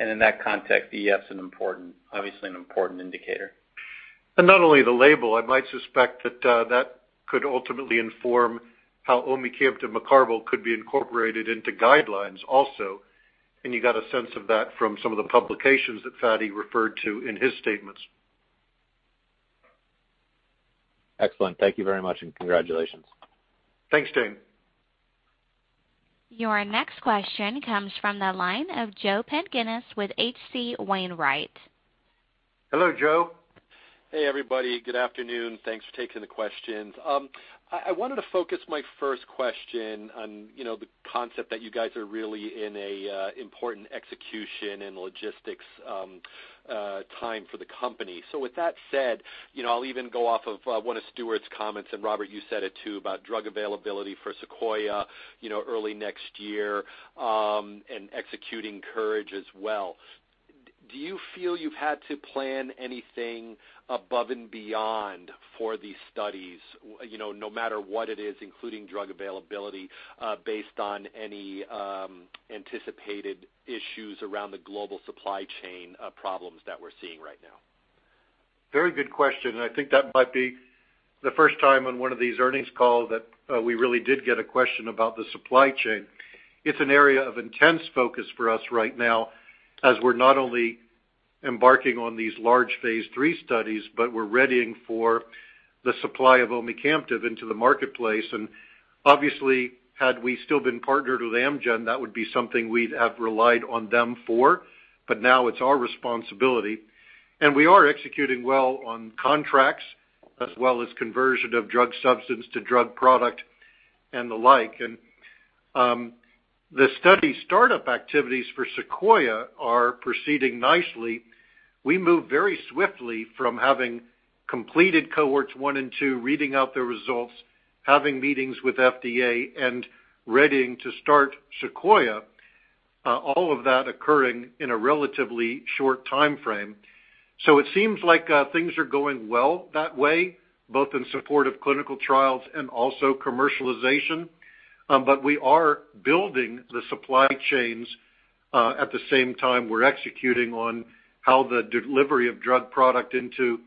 In that context, EF's an important, obviously an important indicator. Not only the label, I might suspect that could ultimately inform how omecamtiv mecarbil could be incorporated into guidelines also. You got a sense of that from some of the publications that Fady referred to in his statements. Excellent. Thank you very much, and congratulations. Thanks, Dane. Your next question comes from the line of Joe Pantginis with H.C. Wainwright. Hello, Joe. Hey, everybody. Good afternoon. Thanks for taking the questions. I wanted to focus my first question on, the concept that you guys are really in a important execution and logistics time for the company. With that said, I'll even go off of one of Stuart's comments, and Robert, you said it too, about drug availability for SEQUOIA, early next year, and executing COURAGE as well. Do you feel you've had to plan anything above and beyond for these studies, no matter what it is, including drug availability, based on any anticipated issues around the global supply chain problems that we're seeing right now? Very good question, and I think that might be the first time on one of these earnings calls that we really did get a question about the supply chain. It's an area of intense focus for us right now as we're not only embarking on these large phase III studies, but we're readying for the supply of omecamtiv into the marketplace. Obviously, had we still been partnered with Amgen, that would be something we'd have relied on them for. Now it's our responsibility. We are executing well on contracts as well as conversion of drug substance to drug product and the like. The study startup activities for SEQUOIA are proceeding nicely. We move very swiftly from having completed cohorts one and two, reading out the results, having meetings with FDA, and readying to start SEQUOIA, all of that occurring in a relatively short time frame. It seems like things are going well that way, both in support of clinical trials and also commercialization. We are building the supply chains at the same time we're executing on how the delivery of drug product into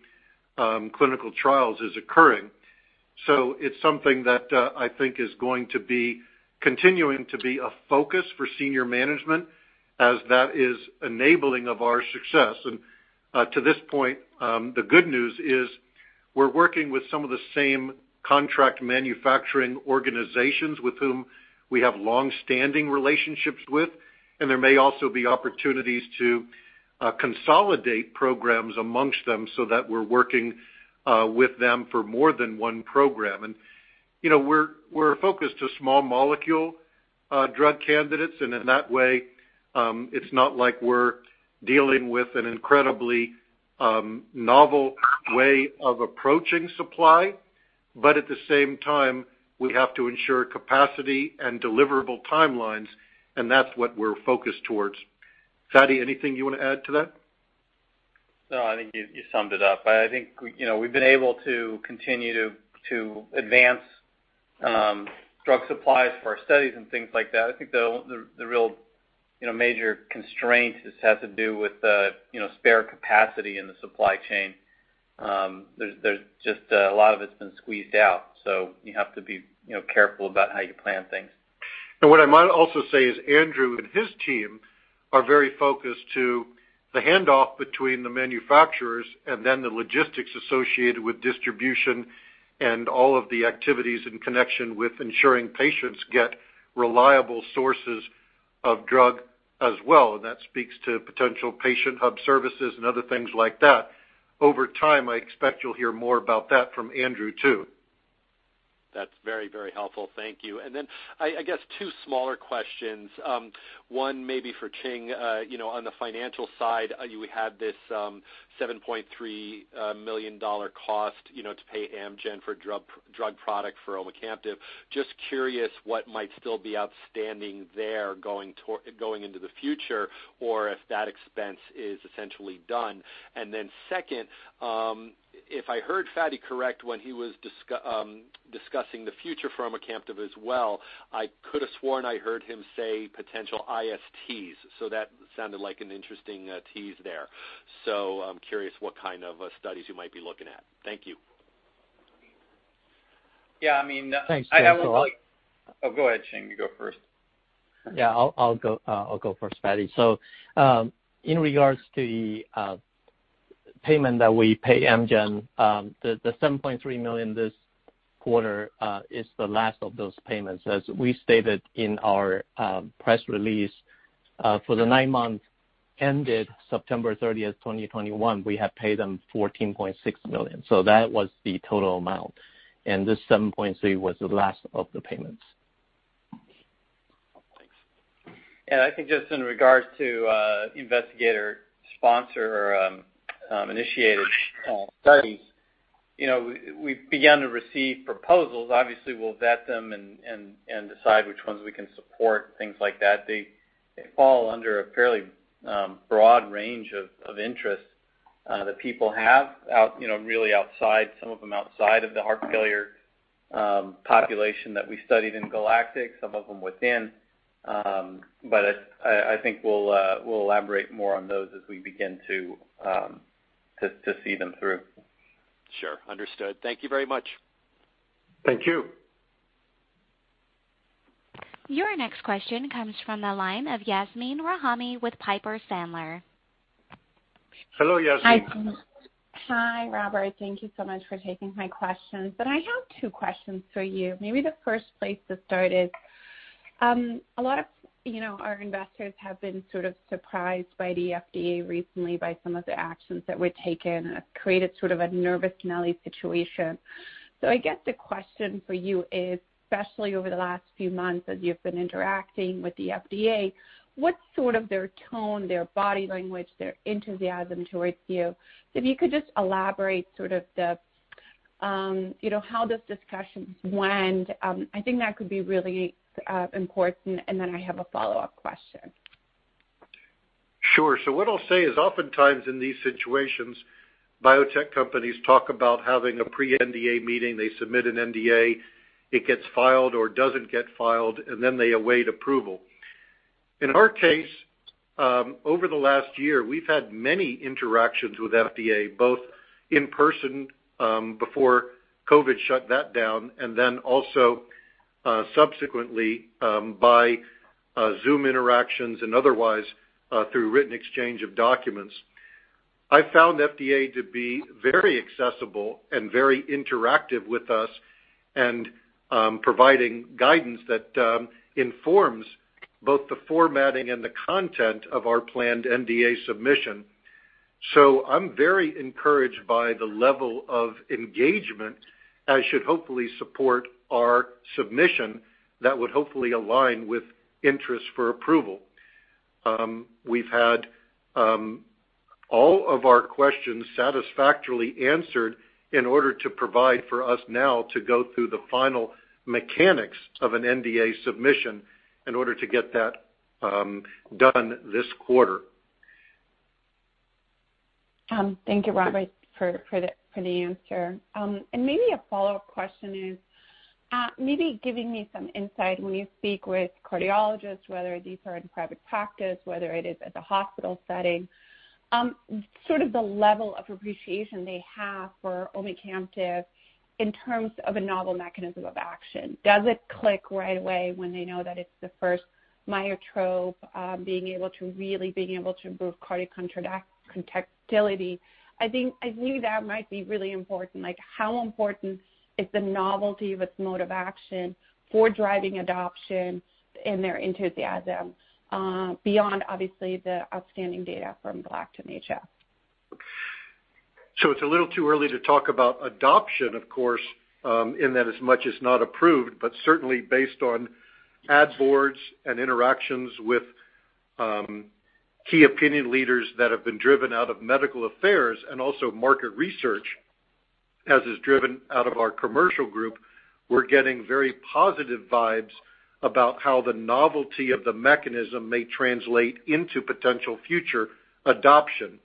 clinical trials is occurring. It's something that I think is going to be continuing to be a focus for senior management as that is enabling of our success. To this point, the good news is we're working with some of the same contract manufacturing organizations with whom we have long-standing relationships with. There may also be opportunities to consolidate programs among them so that we're working with them for more than one program. You know, we're focused on small molecule drug candidates, and in that way, it's not like we're dealing with an incredibly novel way of approaching supply. At the same time, we have to ensure capacity and deliverable timelines, and that's what we're focused on. Fady, anything you want to add to that? No, I think you summed it up. I think, we've been able to continue to advance drug supplies for our studies and things like that. I think the real, major constraint just has to do with spare capacity in the supply chain. There's just a lot of it's been squeezed out, so you have to be, careful about how you plan things. What I might also say is Andrew and his team are very focused on the handoff between the manufacturers and then the logistics associated with distribution and all of the activities in connection with ensuring patients get reliable sources of drug as well. That speaks to potential patient hub services and other things like that. Over time, I expect you'll hear more about that from Andrew too. That's very, very helpful. Thank you. I guess two smaller questions. One maybe for Ching. You know, on the financial side, you had this $7.3 million cost, to pay Amgen for drug product for omecamtiv. Just curious what might still be outstanding there going into the future, or if that expense is essentially done. Second, if I heard Fady correct when he was discussing the future for omecamtiv as well, I could have sworn I heard him say potential ISTs. That sounded like an interesting tease there. I'm curious what kind of studies you might be looking at. Thank you. Yeah, I mean. Thanks, Joe. Oh, go ahead, Ching. You go first. Yeah, I'll go first, Fady. In regards to the payment that we pay Amgen, the $7.3 million this quarter is the last of those payments. As we stated in our press release, for the nine months ended September 30, 2021, we have paid them $14.6 million. That was the total amount. This $7.3 million was the last of the payments. I think just in regards to investigator-sponsored initiated studies, we've begun to receive proposals. Obviously, we'll vet them and decide which ones we can support, things like that. They fall under a fairly broad range of interests that people have, really outside, some of them outside of the heart failure population that we studied in GALACTIC, some of them within. But I think we'll elaborate more on those as we begin to see them through. Sure. Understood. Thank you very much. Thank you. Your next question comes from the line of Yasmeen Rahimi with Piper Sandler. Hello, Yasmeen. Hi. Hi, Robert. Thank you so much for taking my questions. I have two questions for you. Maybe the first place to start is, a lot of, our investors have been sort of surprised by the FDA recently by some of the actions that were taken and have created sort of a nervous Nelly situation. I guess the question for you is, especially over the last few months as you've been interacting with the FDA, what's sort of their tone, their body language, their enthusiasm towards you? If you could just elaborate sort of the, how those discussions went, I think that could be really important. Then I have a follow-up question. Sure. What I'll say is oftentimes in these situations, biotech companies talk about having a pre-NDA meeting. They submit an NDA, it gets filed or doesn't get filed, and then they await approval. In our case, over the last year, we've had many interactions with FDA, both in person, before COVID shut that down, and then also, subsequently, by Zoom interactions and otherwise, through written exchange of documents. I found FDA to be very accessible and very interactive with us and, providing guidance that, informs both the formatting and the content of our planned NDA submission. I'm very encouraged by the level of engagement that should hopefully support our submission that would hopefully align with interest for approval. We've had all of our questions satisfactorily answered in order to provide for us now to go through the final mechanics of an NDA submission in order to get that done this quarter. Thank you, Robert, for the answer. Maybe a follow-up question is giving me some insight when you speak with cardiologists, whether these are in private practice, whether it is at the hospital setting, sort of the level of appreciation they have for omecamtiv in terms of a novel mechanism of action. Does it click right away when they know that it's the first myotrope, being able to really improve cardiac contractility? I think I knew that might be really important. Like, how important is the novelty of its mode of action for driving adoption and their enthusiasm beyond obviously the outstanding data from GALACTIC-HF? It's a little too early to talk about adoption, of course, in that as much as not approved, but certainly based on ad boards and interactions with key opinion leaders that have been driven out of medical affairs and also market research, as is driven out of our commercial group, we're getting very positive vibes about how the novelty of the mechanism may translate into potential future adoption.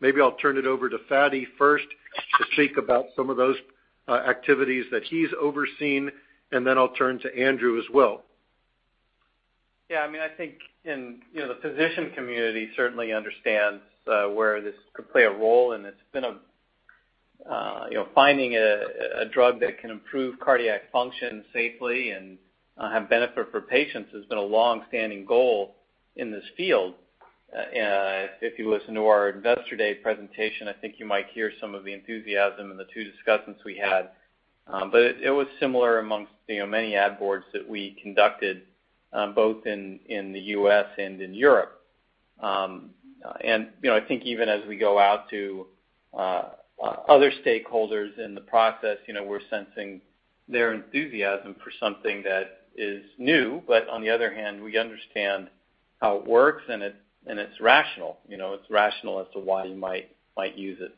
Maybe I'll turn it over to Fady first to speak about some of those activities that he's overseen, and then I'll turn to Andrew as well. Yeah, I mean, I think in you know the physician community certainly understands where this could play a role, and it's been a finding a drug that can improve cardiac function safely and have benefit for patients has been a longstanding goal in this field. If you listen to our Investor Day presentation, I think you might hear some of the enthusiasm in the two discussions we had. It was similar amongst many ad boards that we conducted both in the U.S. and in Europe. I think even as we go out to other stakeholders in the process, we're sensing their enthusiasm for something that is new. On the other hand, we understand how it works and it's rational. You know, it's rational as to why you might use it.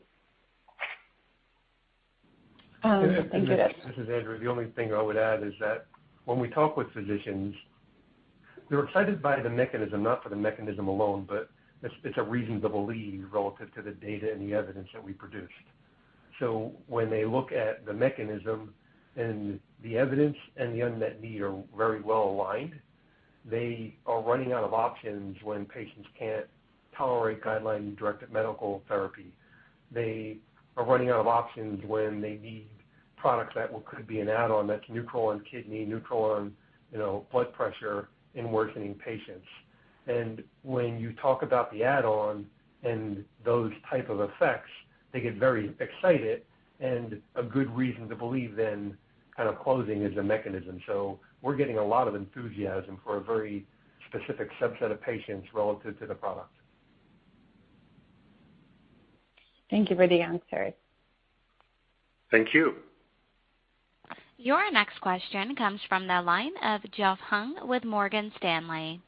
Um,. This is Andrew. The only thing I would add is that when we talk with physicians, they're excited by the mechanism, not for the mechanism alone, but it's a reason to believe relative to the data and the evidence that we produced. When they look at the mechanism and the evidence and the unmet need are very well aligned, they are running out of options when patients can't tolerate guideline-directed medical therapy. They are running out of options when they need products that could be an add-on, that's neutral on kidney, neutral on, blood pressure in worsening patients. When you talk about the add-on and those type of effects, they get very excited and a good reason to believe then kind of closing is a mechanism. We're getting a lot of enthusiasm for a very specific subset of patients relative to the product. Thank you for the answer. Thank you. Your next question comes from the line of Jeff Hung with Morgan Stanley.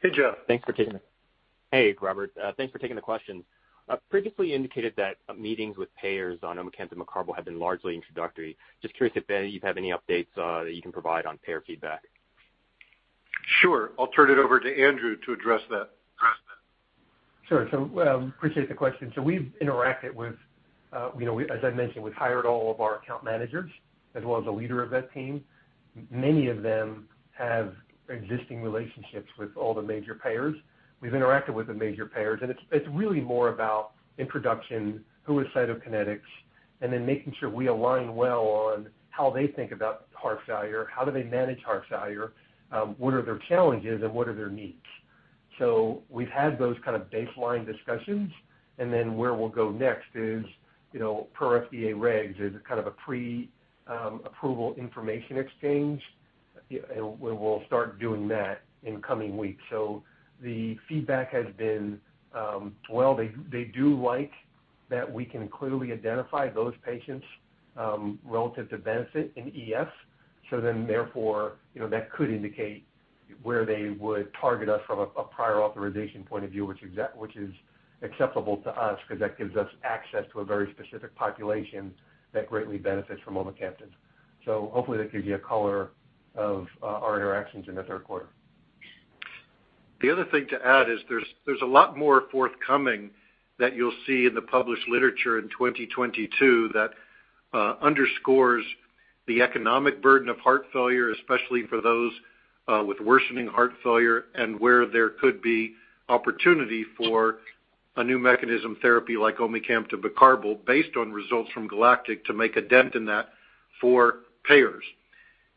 Hey, Jeff. Thanks for taking it. Hey, Robert. Thanks for taking the question. You previously indicated that meetings with payers on omecamtiv mecarbil have been largely introductory. Just curious if you have any updates that you can provide on payer feedback? Sure. I'll turn it over to Andrew to address that. Sure. Appreciate the question. We've interacted with, as I mentioned, we've hired all of our account managers as well as the leader of that team. Many of them have existing relationships with all the major payers. We've interacted with the major payers, and it's really more about introduction, who is Cytokinetics, and then making sure we align well on how they think about heart failure, how do they manage heart failure, what are their challenges, and what are their needs. We've had those kind of baseline discussions, and then where we'll go next is, per FDA regs is kind of a pre, approval information exchange, where we'll start doing that in coming weeks. The feedback has been, well, they do like that we can clearly identify those patients, relative to benefit in EF. Therefore, that could indicate where they would target us from a prior authorization point of view, which is acceptable to us 'cause that gives us access to a very specific population that greatly benefits from omecamtiv. Hopefully, that gives you a color of our interactions in the Q3. The other thing to add is there's a lot more forthcoming that you'll see in the published literature in 2022 that underscores the economic burden of heart failure, especially for those with worsening heart failure and where there could be opportunity for a new mechanism therapy like omecamtiv mecarbil based on results from GALACTIC to make a dent in that for payers.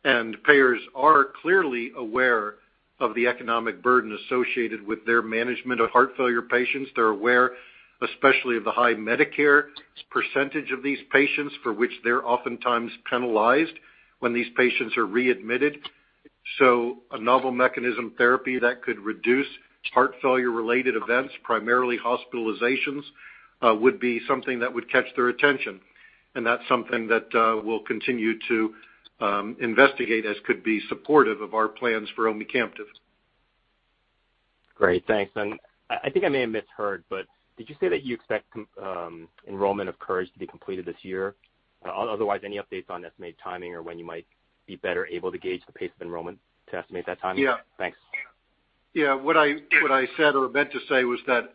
Payers are clearly aware of the economic burden associated with their management of heart failure patients. They're aware, especially of the high Medicare percentage of these patients for which they're oftentimes penalized when these patients are readmitted. A novel mechanism therapy that could reduce heart failure-related events, primarily hospitalizations, would be something that would catch their attention. That's something that we'll continue to investigate as could be supportive of our plans for omecamtiv. Great. Thanks. I think I may have misheard, but did you say that you expect enrollment of COURAGE to be completed this year? Otherwise, any updates on estimated timing or when you might be better able to gauge the pace of enrollment to estimate that timing? Yeah. Thanks. Yeah. What I said or meant to say was that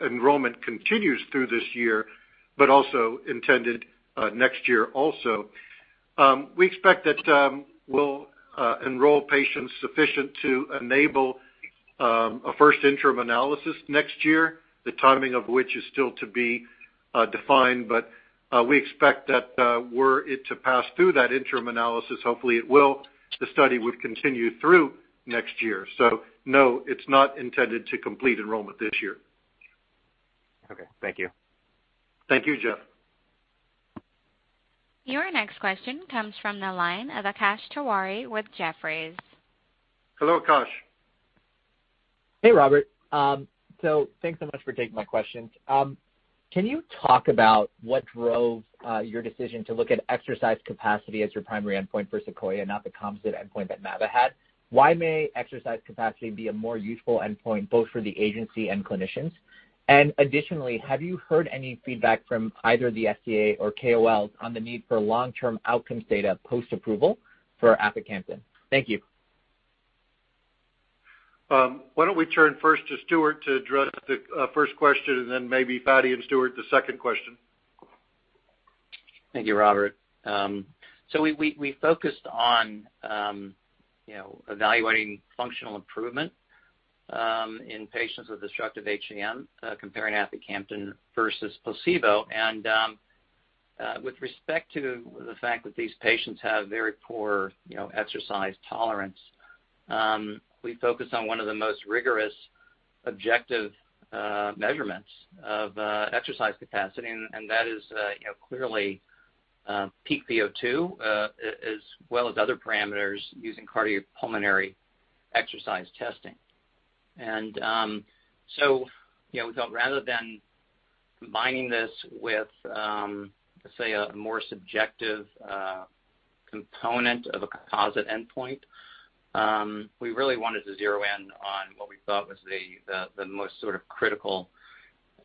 enrollment continues through this year, but also intended next year also. We expect that we'll enroll patients sufficient to enable a first interim analysis next year, the timing of which is still to be defined. We expect that were it to pass through that interim analysis, hopefully it will, the study would continue through next year. No, it's not intended to complete enrollment this year. Okay. Thank you. Thank you, Jeff. Your next question comes from the line of Akash Tewari with Jefferies. Hello, Akash. Hey, Robert. So thanks so much for taking my questions. Can you talk about what drove your decision to look at exercise capacity as your primary endpoint for SEQUOIA, not the composite endpoint that mavacamten had? Why may exercise capacity be a more useful endpoint both for the agency and clinicians? Additionally, have you heard any feedback from either the FDA or KOLs on the need for long-term outcomes data post-approval for aficamten? Thank you. Why don't we turn first to Stuart to address the first question, and then maybe Fady and Stuart, the second question. Thank you, Robert. So, we focused on evaluating functional improvement in patients with obstructive HCM comparing aficamten versus placebo. With respect to the fact that these patients have very poor exercise tolerance we focus on one of the most rigorous objective measurements of exercise capacity and that is clearly peak VO2, as well as other parameters using cardiopulmonary exercise testing. We felt rather than combining this with, let's say a more subjective component of a composite endpoint, we really wanted to zero in on what we thought was the most sort of critical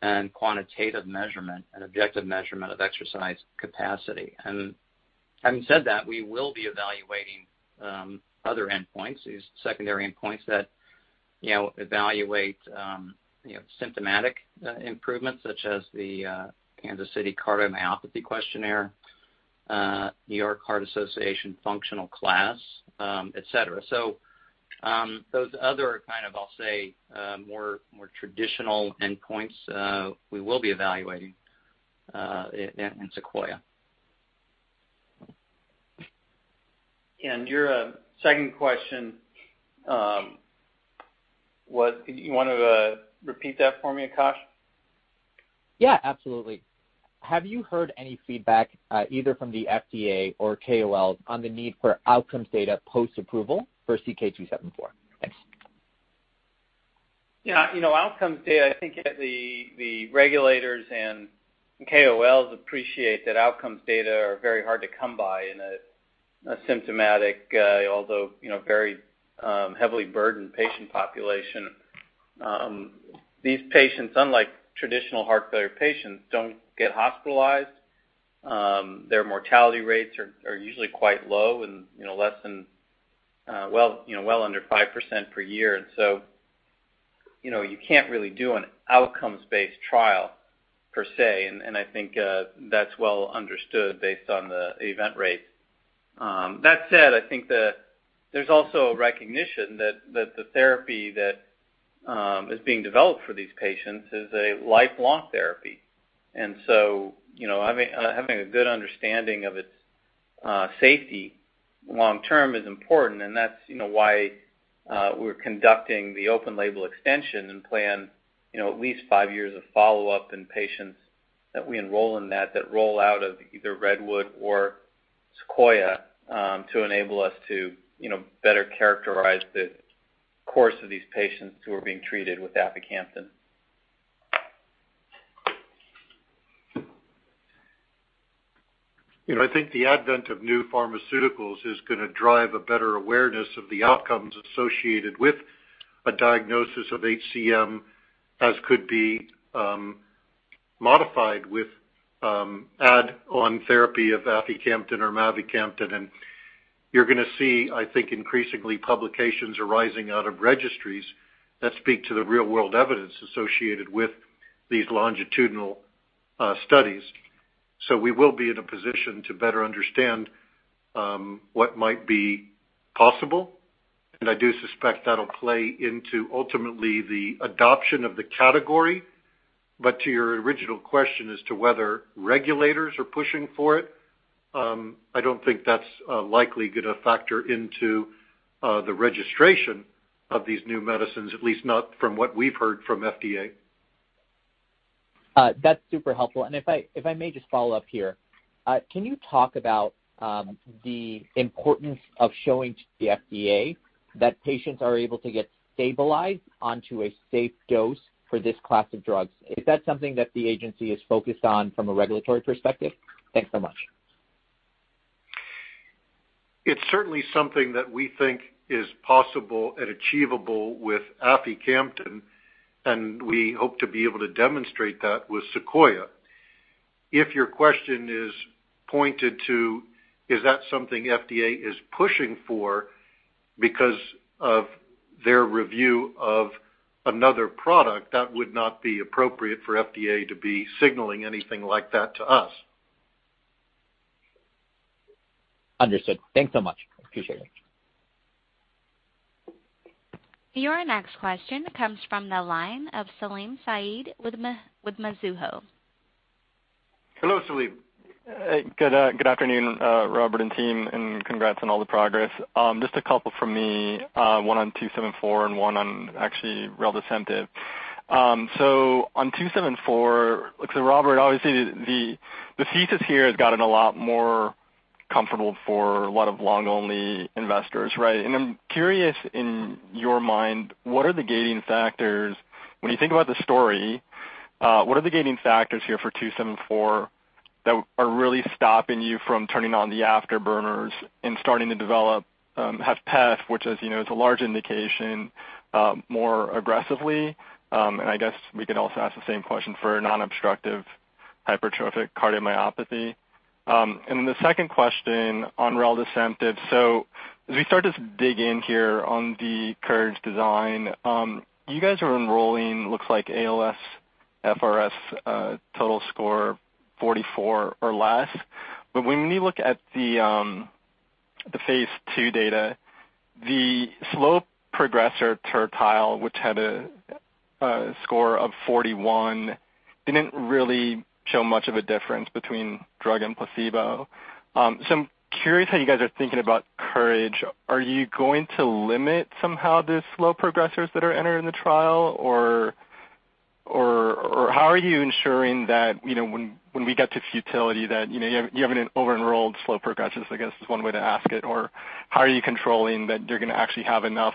and quantitative measurement and objective measurement of exercise capacity. Having said that, we will be evaluating other endpoints, these secondary endpoints that, evaluate, symptomatic improvements such as the Kansas City Cardiomyopathy Questionnaire, New York Heart Association functional class, et cetera. those other kind of, I'll say, more traditional endpoints, we will be evaluating in Sequoia. your second question was. Do you wanna repeat that for me, Akash? Yeah, absolutely. Have you heard any feedback, either from the FDA or KOLs on the need for outcomes data post-approval for CK-274? Thanks. Yeah. You know, outcomes data. I think the regulators and KOLs appreciate that outcomes data are very hard to come by in a symptomatic, although, very heavily burdened patient population. These patients, unlike traditional heart failure patients, don't get hospitalized. Their mortality rates are usually quite low and, well under 5% per year. You know, you can't really do an outcomes-based trial per se, and I think that's well understood based on the event rates. That said, I think that there's also a recognition that the therapy that is being developed for these patients is a lifelong therapy. Having a good understanding of its safety long-term is important, and that's, why we're conducting the open-label extension and plan, at least five years of follow-up in patients that we enroll in that rollover out of either REDWOOD or SEQUOIA to enable us to, better characterize the course of these patients who are being treated with aficamten. You know, I think the advent of new pharmaceuticals is gonna drive a better awareness of the outcomes associated with a diagnosis of HCM, as could be modified with add-on therapy of aficamten or mavacamten. You're gonna see, I think, increasingly publications arising out of registries that speak to the real-world evidence associated with these longitudinal studies. We will be in a position to better understand what might be possible, and I do suspect that'll play into ultimately the adoption of the category. To your original question as to whether regulators are pushing for it, I don't think that's likely gonna factor into the registration of these new medicines, at least not from what we've heard from FDA. That's super helpful. If I may just follow up here. Can you talk about the importance of showing to the FDA that patients are able to get stabilized onto a safe dose for this class of drugs? Is that something that the agency is focused on from a regulatory perspective? Thanks so much. It's certainly something that we think is possible and achievable with aficamten, and we hope to be able to demonstrate that with Sequoia. If your question is pointed to, is that something FDA is pushing for because of their review of another product, that would not be appropriate for FDA to be signaling anything like that to us. Understood. Thanks so much. Appreciate it. Your next question comes from the line of Salim Syed with Mizuho. Hello, Salim. Hey. Good afternoon, Robert and team, and congrats on all the progress. Just a couple from me, one on CK-274 and one on actually reldesemtiv. So on CK-274, Robert, obviously the thesis here has gotten a lot more comfortable for a lot of long-only investors, right? I'm curious in your mind, what are the gating factors when you think about the story, what are the gating factors here for CK-274 that are really stopping you from turning on the afterburners and starting to develop HFpEF, which as you know is a large indication, more aggressively? And I guess we could also ask the same question for non-obstructive hypertrophic cardiomyopathy. And then the second question on reldesemtiv. As we start to dig in here on the COURAGE design, you guys are enrolling, looks like ALSFRS total score 44 or less. When we look at the phase II data, the slow progressor tertile, which had a score of 41, didn't really show much of a difference between drug and placebo. I'm curious how you guys are thinking about COURAGE. Are you going to limit somehow the slow progressors that are entering the trial, or how are you ensuring that, when we get to futility that, you haven't over-enrolled slow progressors, I guess is one way to ask it? Or how are you controlling that you're gonna actually have enough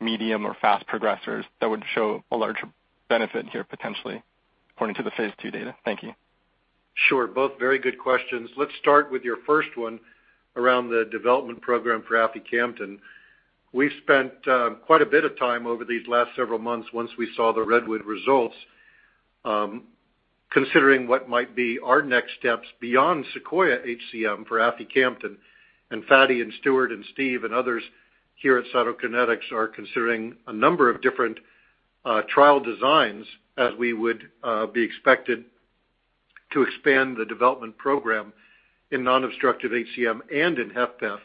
medium or fast progressors that would show a larger benefit here potentially according to the phase II data? Thank you. Sure. Both very good questions. Let's start with your first one around the development program for aficamten. We spent quite a bit of time over these last several months once we saw the REDWOOD results, considering what might be our next steps beyond SEQUOIA-HCM for aficamten. Fady and Stuart and Steve and others here at Cytokinetics are considering a number of different trial designs as we would be expected to expand the development program in non-obstructive HCM and in HFpEF.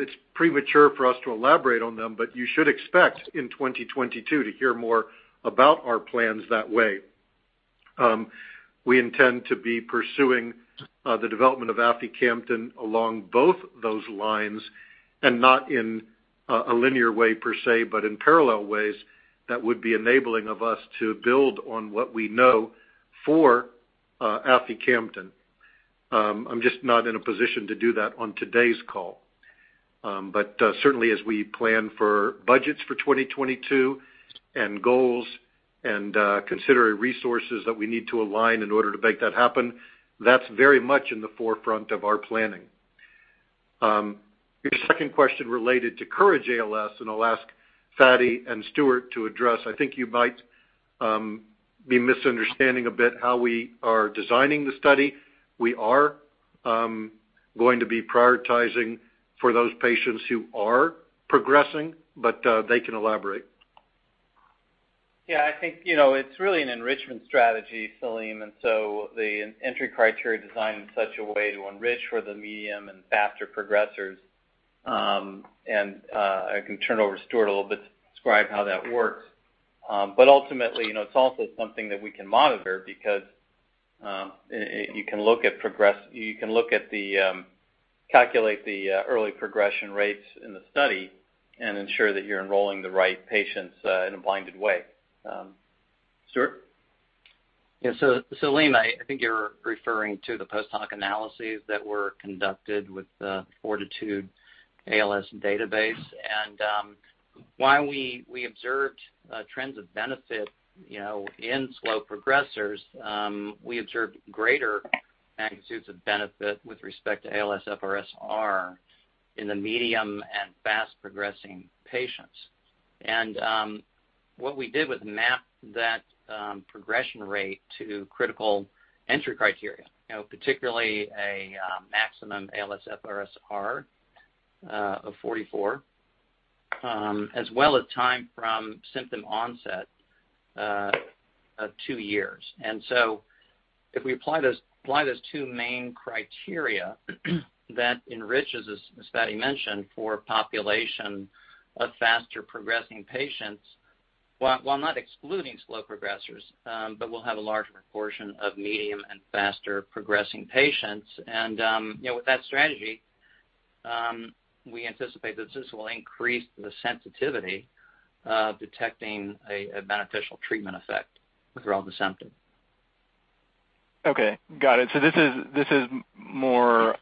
It's premature for us to elaborate on them, but you should expect in 2022 to hear more about our plans that way. We intend to be pursuing the development of aficamten along both those lines and not in a linear way per se, but in parallel ways that would be enabling of us to build on what we know for aficamten. I'm just not in a position to do that on today's call. But certainly as we plan for budgets for 2022 and goals and consider resources that we need to align in order to make that happen, that's very much in the forefront of our planning. Your second question related to COURAGE-ALS, and I'll ask Fady and Stuart to address. I think you might be misunderstanding a bit how we are designing the study. We are going to be prioritizing for those patients who are progressing, but they can elaborate. Yeah, I think, it's really an enrichment strategy, Salim. The entry criteria are designed in such a way to enrich for the medium and faster progressors. I can turn over to Stuart a little bit to describe how that works. Ultimately, it's also something that we can monitor because you can look at the calculated early progression rates in the study and ensure that you're enrolling the right patients in a blinded way. Stuart? Yeah. Selim, I think you're referring to the post hoc analyses that were conducted with the FORTITUDE-ALS database. While we observed trends of benefit, in slow progressors, we observed greater magnitudes of benefit with respect to ALSFRS-R in the medium and fast-progressing patients. What we did was map that progression rate to critical entry criteria, particularly a maximum ALSFRS-R of 44, as well as time from symptom onset of two years. If we apply those two main criteria that enriches, as Fady mentioned, for population of faster progressing patients, while not excluding slow progressors, but we'll have a larger proportion of medium and faster progressing patients. You know, with that strategy, we anticipate that this will increase the sensitivity of detecting a beneficial treatment effect with reldesemtiv. Okay. Got it. This is more.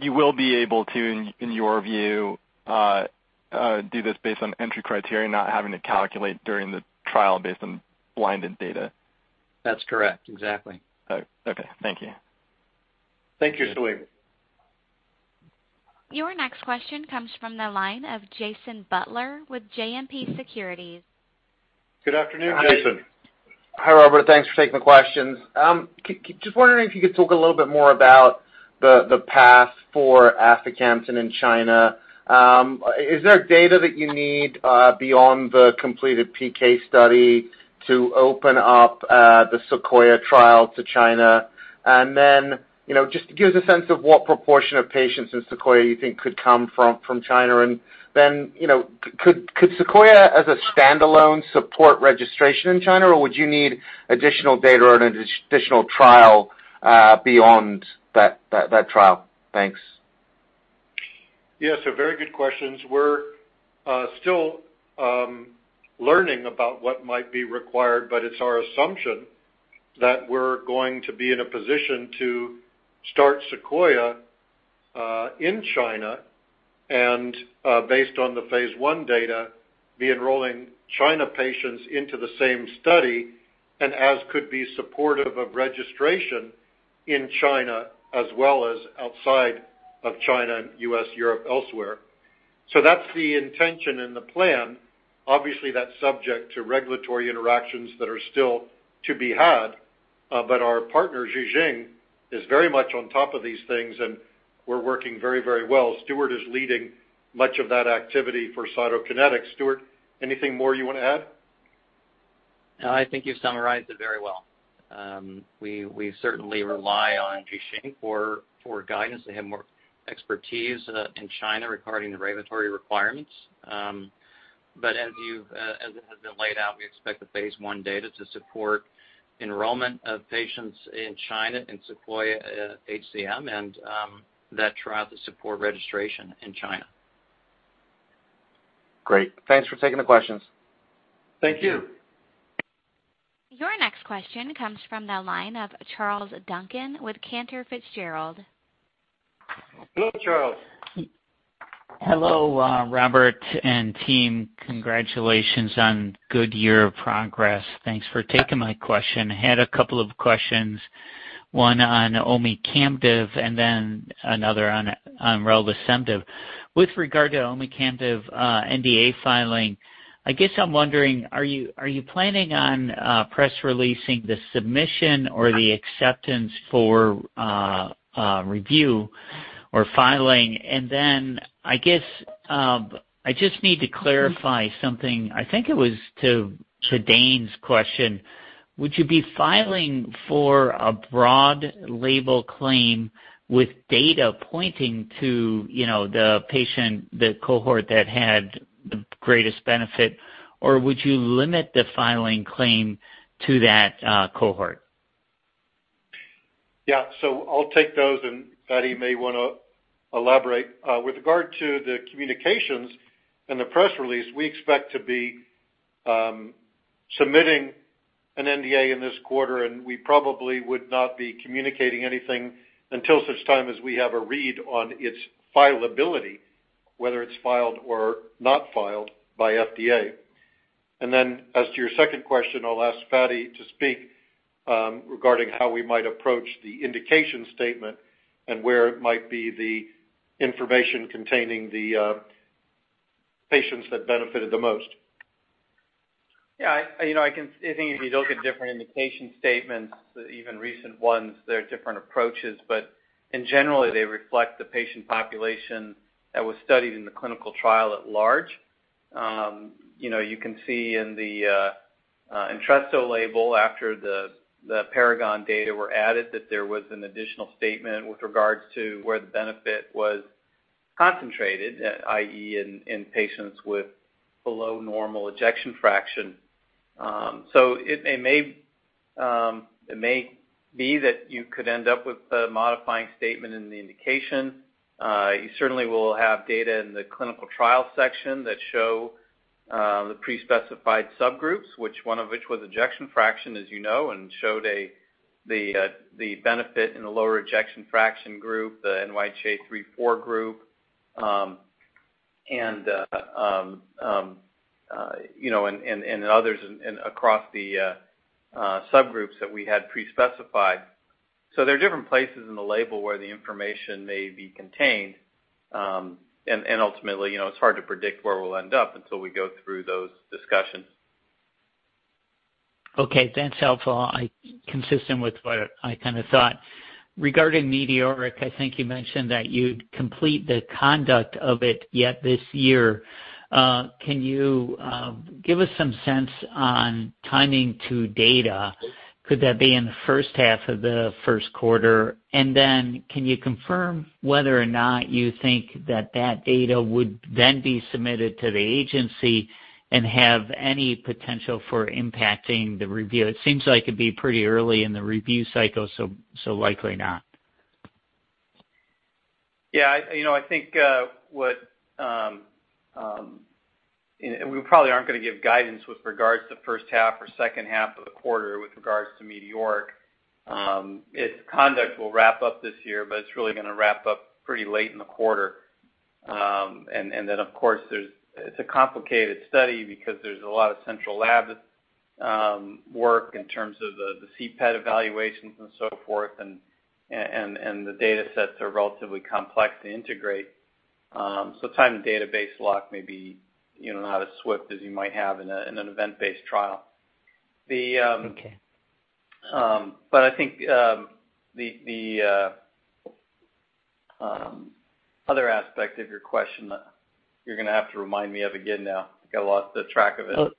You will be able to, in your view, do this based on entry criteria, not having to calculate during the trial based on blinded data? That's correct. Exactly. All right. Okay. Thank you. Thank you, Salim. Your next question comes from the line of Jason Butler with JMP Securities. Good afternoon, Jason. Hi, Robert. Thanks for taking the questions. Just wondering if you could talk a little bit more about the path for aficamten in China. Is there data that you need beyond the completed PK study to open up the Sequoia trial to China? Just give us a sense of what proportion of patients in Sequoia you think could come from China. Could Sequoia as a standalone support registration in China, or would you need additional data or an additional trial beyond that trial? Thanks. Yes, very good questions. We're still learning about what might be required, it's our assumption that we're going to be in a position to start Sequoia in China and based on the phase I data, be enrolling China patients into the same study and as could be supportive of registration in China as well as outside of China, U.S., Europe, elsewhere. That's the intention and the plan. Obviously, that's subject to regulatory interactions that are still to be had. Our partner, Ji Xing, is very much on top of these things, and we're working very, very well. Stuart is leading much of that activity for Cytokinetics. Stuart, anything more you wanna add? No, I think you've summarized it very well. We certainly rely on Ji Xing for guidance. They have more expertise in China regarding the regulatory requirements. As it has been laid out, we expect the phase I data to support enrollment of patients in China in SEQUOIA-HCM and that trial to support registration in China. Great. Thanks for taking the questions. Thank you. Your next question comes from the line of Charles Duncan with Cantor Fitzgerald. Hello, Charles. Hello, Robert and team. Congratulations on good year of progress. Thanks for taking my question. Had a couple of questions, one on omecamtiv and then another on reldesemtiv. With regard to omecamtiv, NDA filing, I guess I'm wondering, are you planning on press releasing the submission or the acceptance for review or filing? And then I guess, I just need to clarify something. I think it was to Dane's question, would you be filing for a broad label claim with data pointing to, the patient, the cohort that had the greatest benefit? Or would you limit the filing claim to that cohort? Yeah. I'll take those, and Fady may wanna elaborate. With regard to the communications and the press release, we expect to be submitting an NDA in this quarter, and we probably would not be communicating anything until such time as we have a read on its filability, whether it's filed or not filed by FDA. As to your second question, I'll ask Fady to speak regarding how we might approach the indication statement and where it might be the information containing the patients that benefited the most. Yeah, I think if you look at different indication statements, even recent ones, there are different approaches. In general, they reflect the patient population that was studied in the clinical trial at large. You know, you can see in the Entresto label after the PARAGON-HF data were added that there was an additional statement with regards to where the benefit was concentrated, i.e., in patients with below normal ejection fraction. It may be that you could end up with a modifying statement in the indication. You certainly will have data in the clinical trial section that show the pre-specified subgroups, which one of which was ejection fraction, as you know, and showed the benefit in a lower ejection fraction group, the NYHA three/four group. You know, and others and across the subgroups that we had pre-specified. There are different places in the label where the information may be contained, and ultimately, it's hard to predict where we'll end up until we go through those discussions. Okay. That's helpful. Consistent with what I kinda thought. Regarding METEORIC-HF, I think you mentioned that you'd complete the conduct of it yet this year. Can you give us some sense on timing to data? Could that be in the first half of the Q1? Can you confirm whether or not you think that data would then be submitted to the agency and have any potential for impacting the review? It seems like it'd be pretty early in the review cycle, so likely not. We probably aren't gonna give guidance with regards to first half or second half of the quarter with regards to METEORIC-HF. Its conduct will wrap up this year, but it's really gonna wrap up pretty late in the quarter. It's a complicated study because there's a lot of central lab work in terms of the CPET evaluations and so forth, and the datasets are relatively complex to integrate. Time to database lock may be not as swift as you might have in an event-based trial. Okay. I think the other aspect of your question, you're gonna have to remind me of again now. I lost the track of it.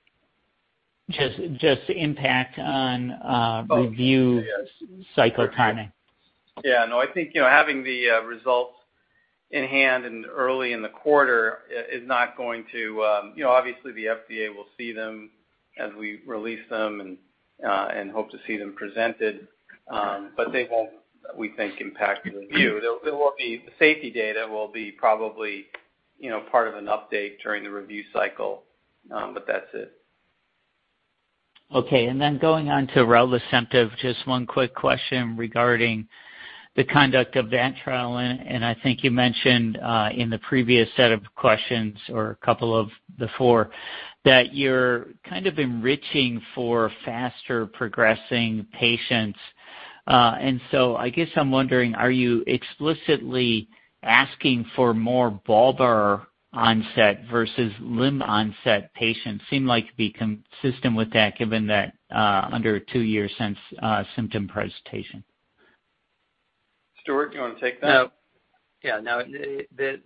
Just impact on. Oh. review cycle timing. Yeah. No, I think having the results in hand and early in the quarter is not going to. You know obviously the FDA will see them as we release them and hope to see them presented. They won't, we think, impact the review. There will be. The safety data will be probably part of an update during the review cycle, but that's it. Okay. Then going on to reldesemtiv, just one quick question regarding the conduct of that trial. I think you mentioned in the previous set of questions or a couple before, that you're kind of enriching for faster progressing patients. I guess I'm wondering, are you explicitly asking for more bulbar onset versus limb onset patients? Seems like it'd be consistent with that given that, under two years since symptom presentation. Stuart Kupfer, do you wanna take that? Yeah. No,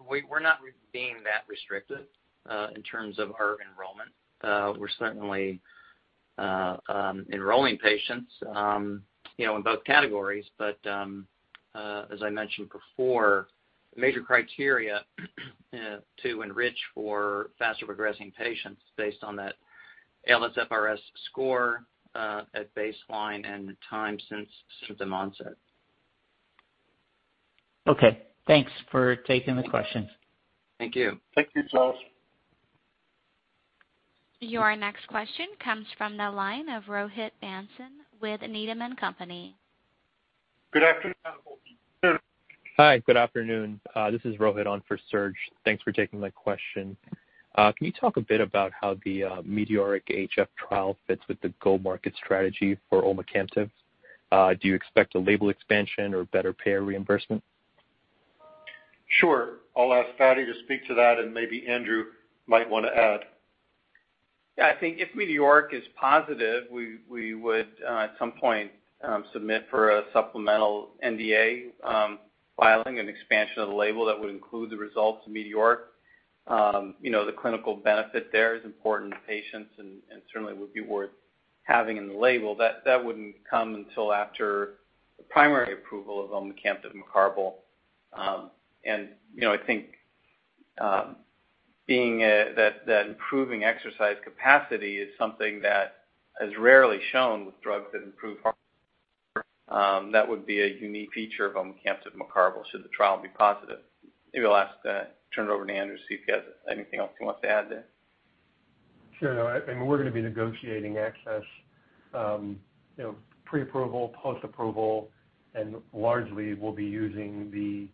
we're not being that restrictive in terms of our enrollment. We're certainly enrolling patients, in both categories. As I mentioned before, major criteria to enrich for faster progressing patients based on that ALSFRS-R score at baseline and time since symptom onset. Okay. Thanks for taking the questions. Thank you. Thank you, Charles. Your next question comes from the line of Rohit Bhasin with Needham & Company. Good afternoon. Hi, good afternoon. This is Rohit on for Serge Belanger. Thanks for taking my question. Can you talk a bit about how the METEORIC-HF trial fits with the go-to-market strategy for omecamtiv? Do you expect a label expansion or better payer reimbursement? Sure. I'll ask Fady to speak to that, and maybe Andrew might wanna add. Yeah. I think if METEORIC-HF is positive, we would at some point submit for a supplemental NDA, filing an expansion of the label that would include the results of METEORIC-HF. You know, the clinical benefit there is important to patients and certainly would be worth having in the label. That wouldn't come until after the primary approval of omecamtiv mecarbil. You know, I think that improving exercise capacity is something that is rarely shown with drugs that improve. That would be a unique feature of omecamtiv mecarbil should the trial be positive. Maybe I'll ask, turn it over to Andrew Callos, see if he has anything else he wants to add there. Sure. I mean, we're gonna be negotiating access, pre-approval, post-approval, and largely we'll be using the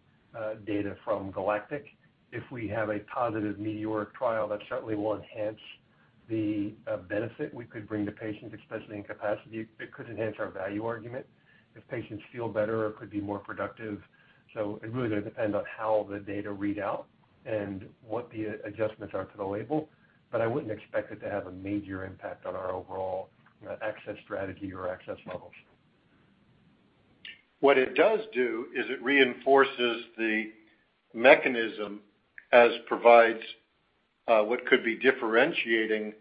data from GALACTIC-HF. If we have a positive METEORIC-HF trial, that certainly will enhance the benefit we could bring to patients, especially in capacity. It could enhance our value argument if patients feel better or could be more productive. It really gonna depend on how the data read out and what the adjustments are to the label, but I wouldn't expect it to have a major impact on our overall access strategy or access levels. What it does do is it reinforces the mechanism and provides what could be differentiating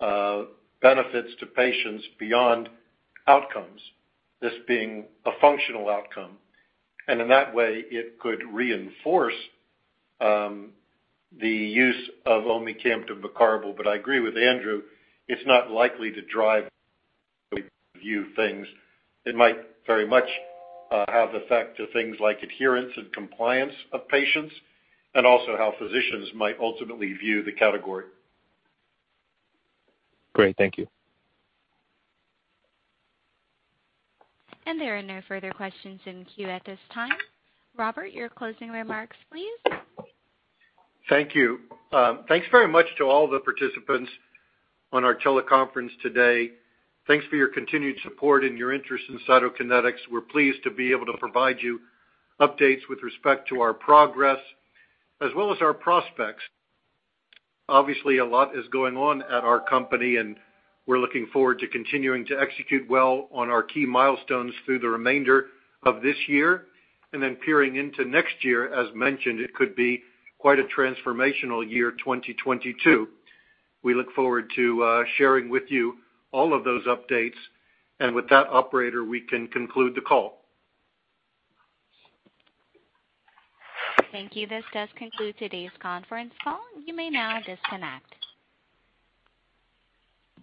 benefits to patients beyond outcomes, this being a functional outcome. In that way it could reinforce the use of omecamtiv mecarbil. I agree with Andrew, it's not likely to drive the news. It might very much have effect on things like adherence and compliance of patients and also how physicians might ultimately view the category. Great. Thank you. There are no further questions in queue at this time. Robert, your closing remarks, please. Thank you. Thanks very much to all the participants on our teleconference today. Thanks for your continued support and your interest in Cytokinetics. We're pleased to be able to provide you updates with respect to our progress as well as our prospects. Obviously, a lot is going on at our company, and we're looking forward to continuing to execute well on our key milestones through the remainder of this year. Peering into next year, as mentioned, it could be quite a transformational year, 2022. We look forward to sharing with you all of those updates. With that operator, we can conclude the call. Thank you. This does conclude today's conference call. You may now disconnect.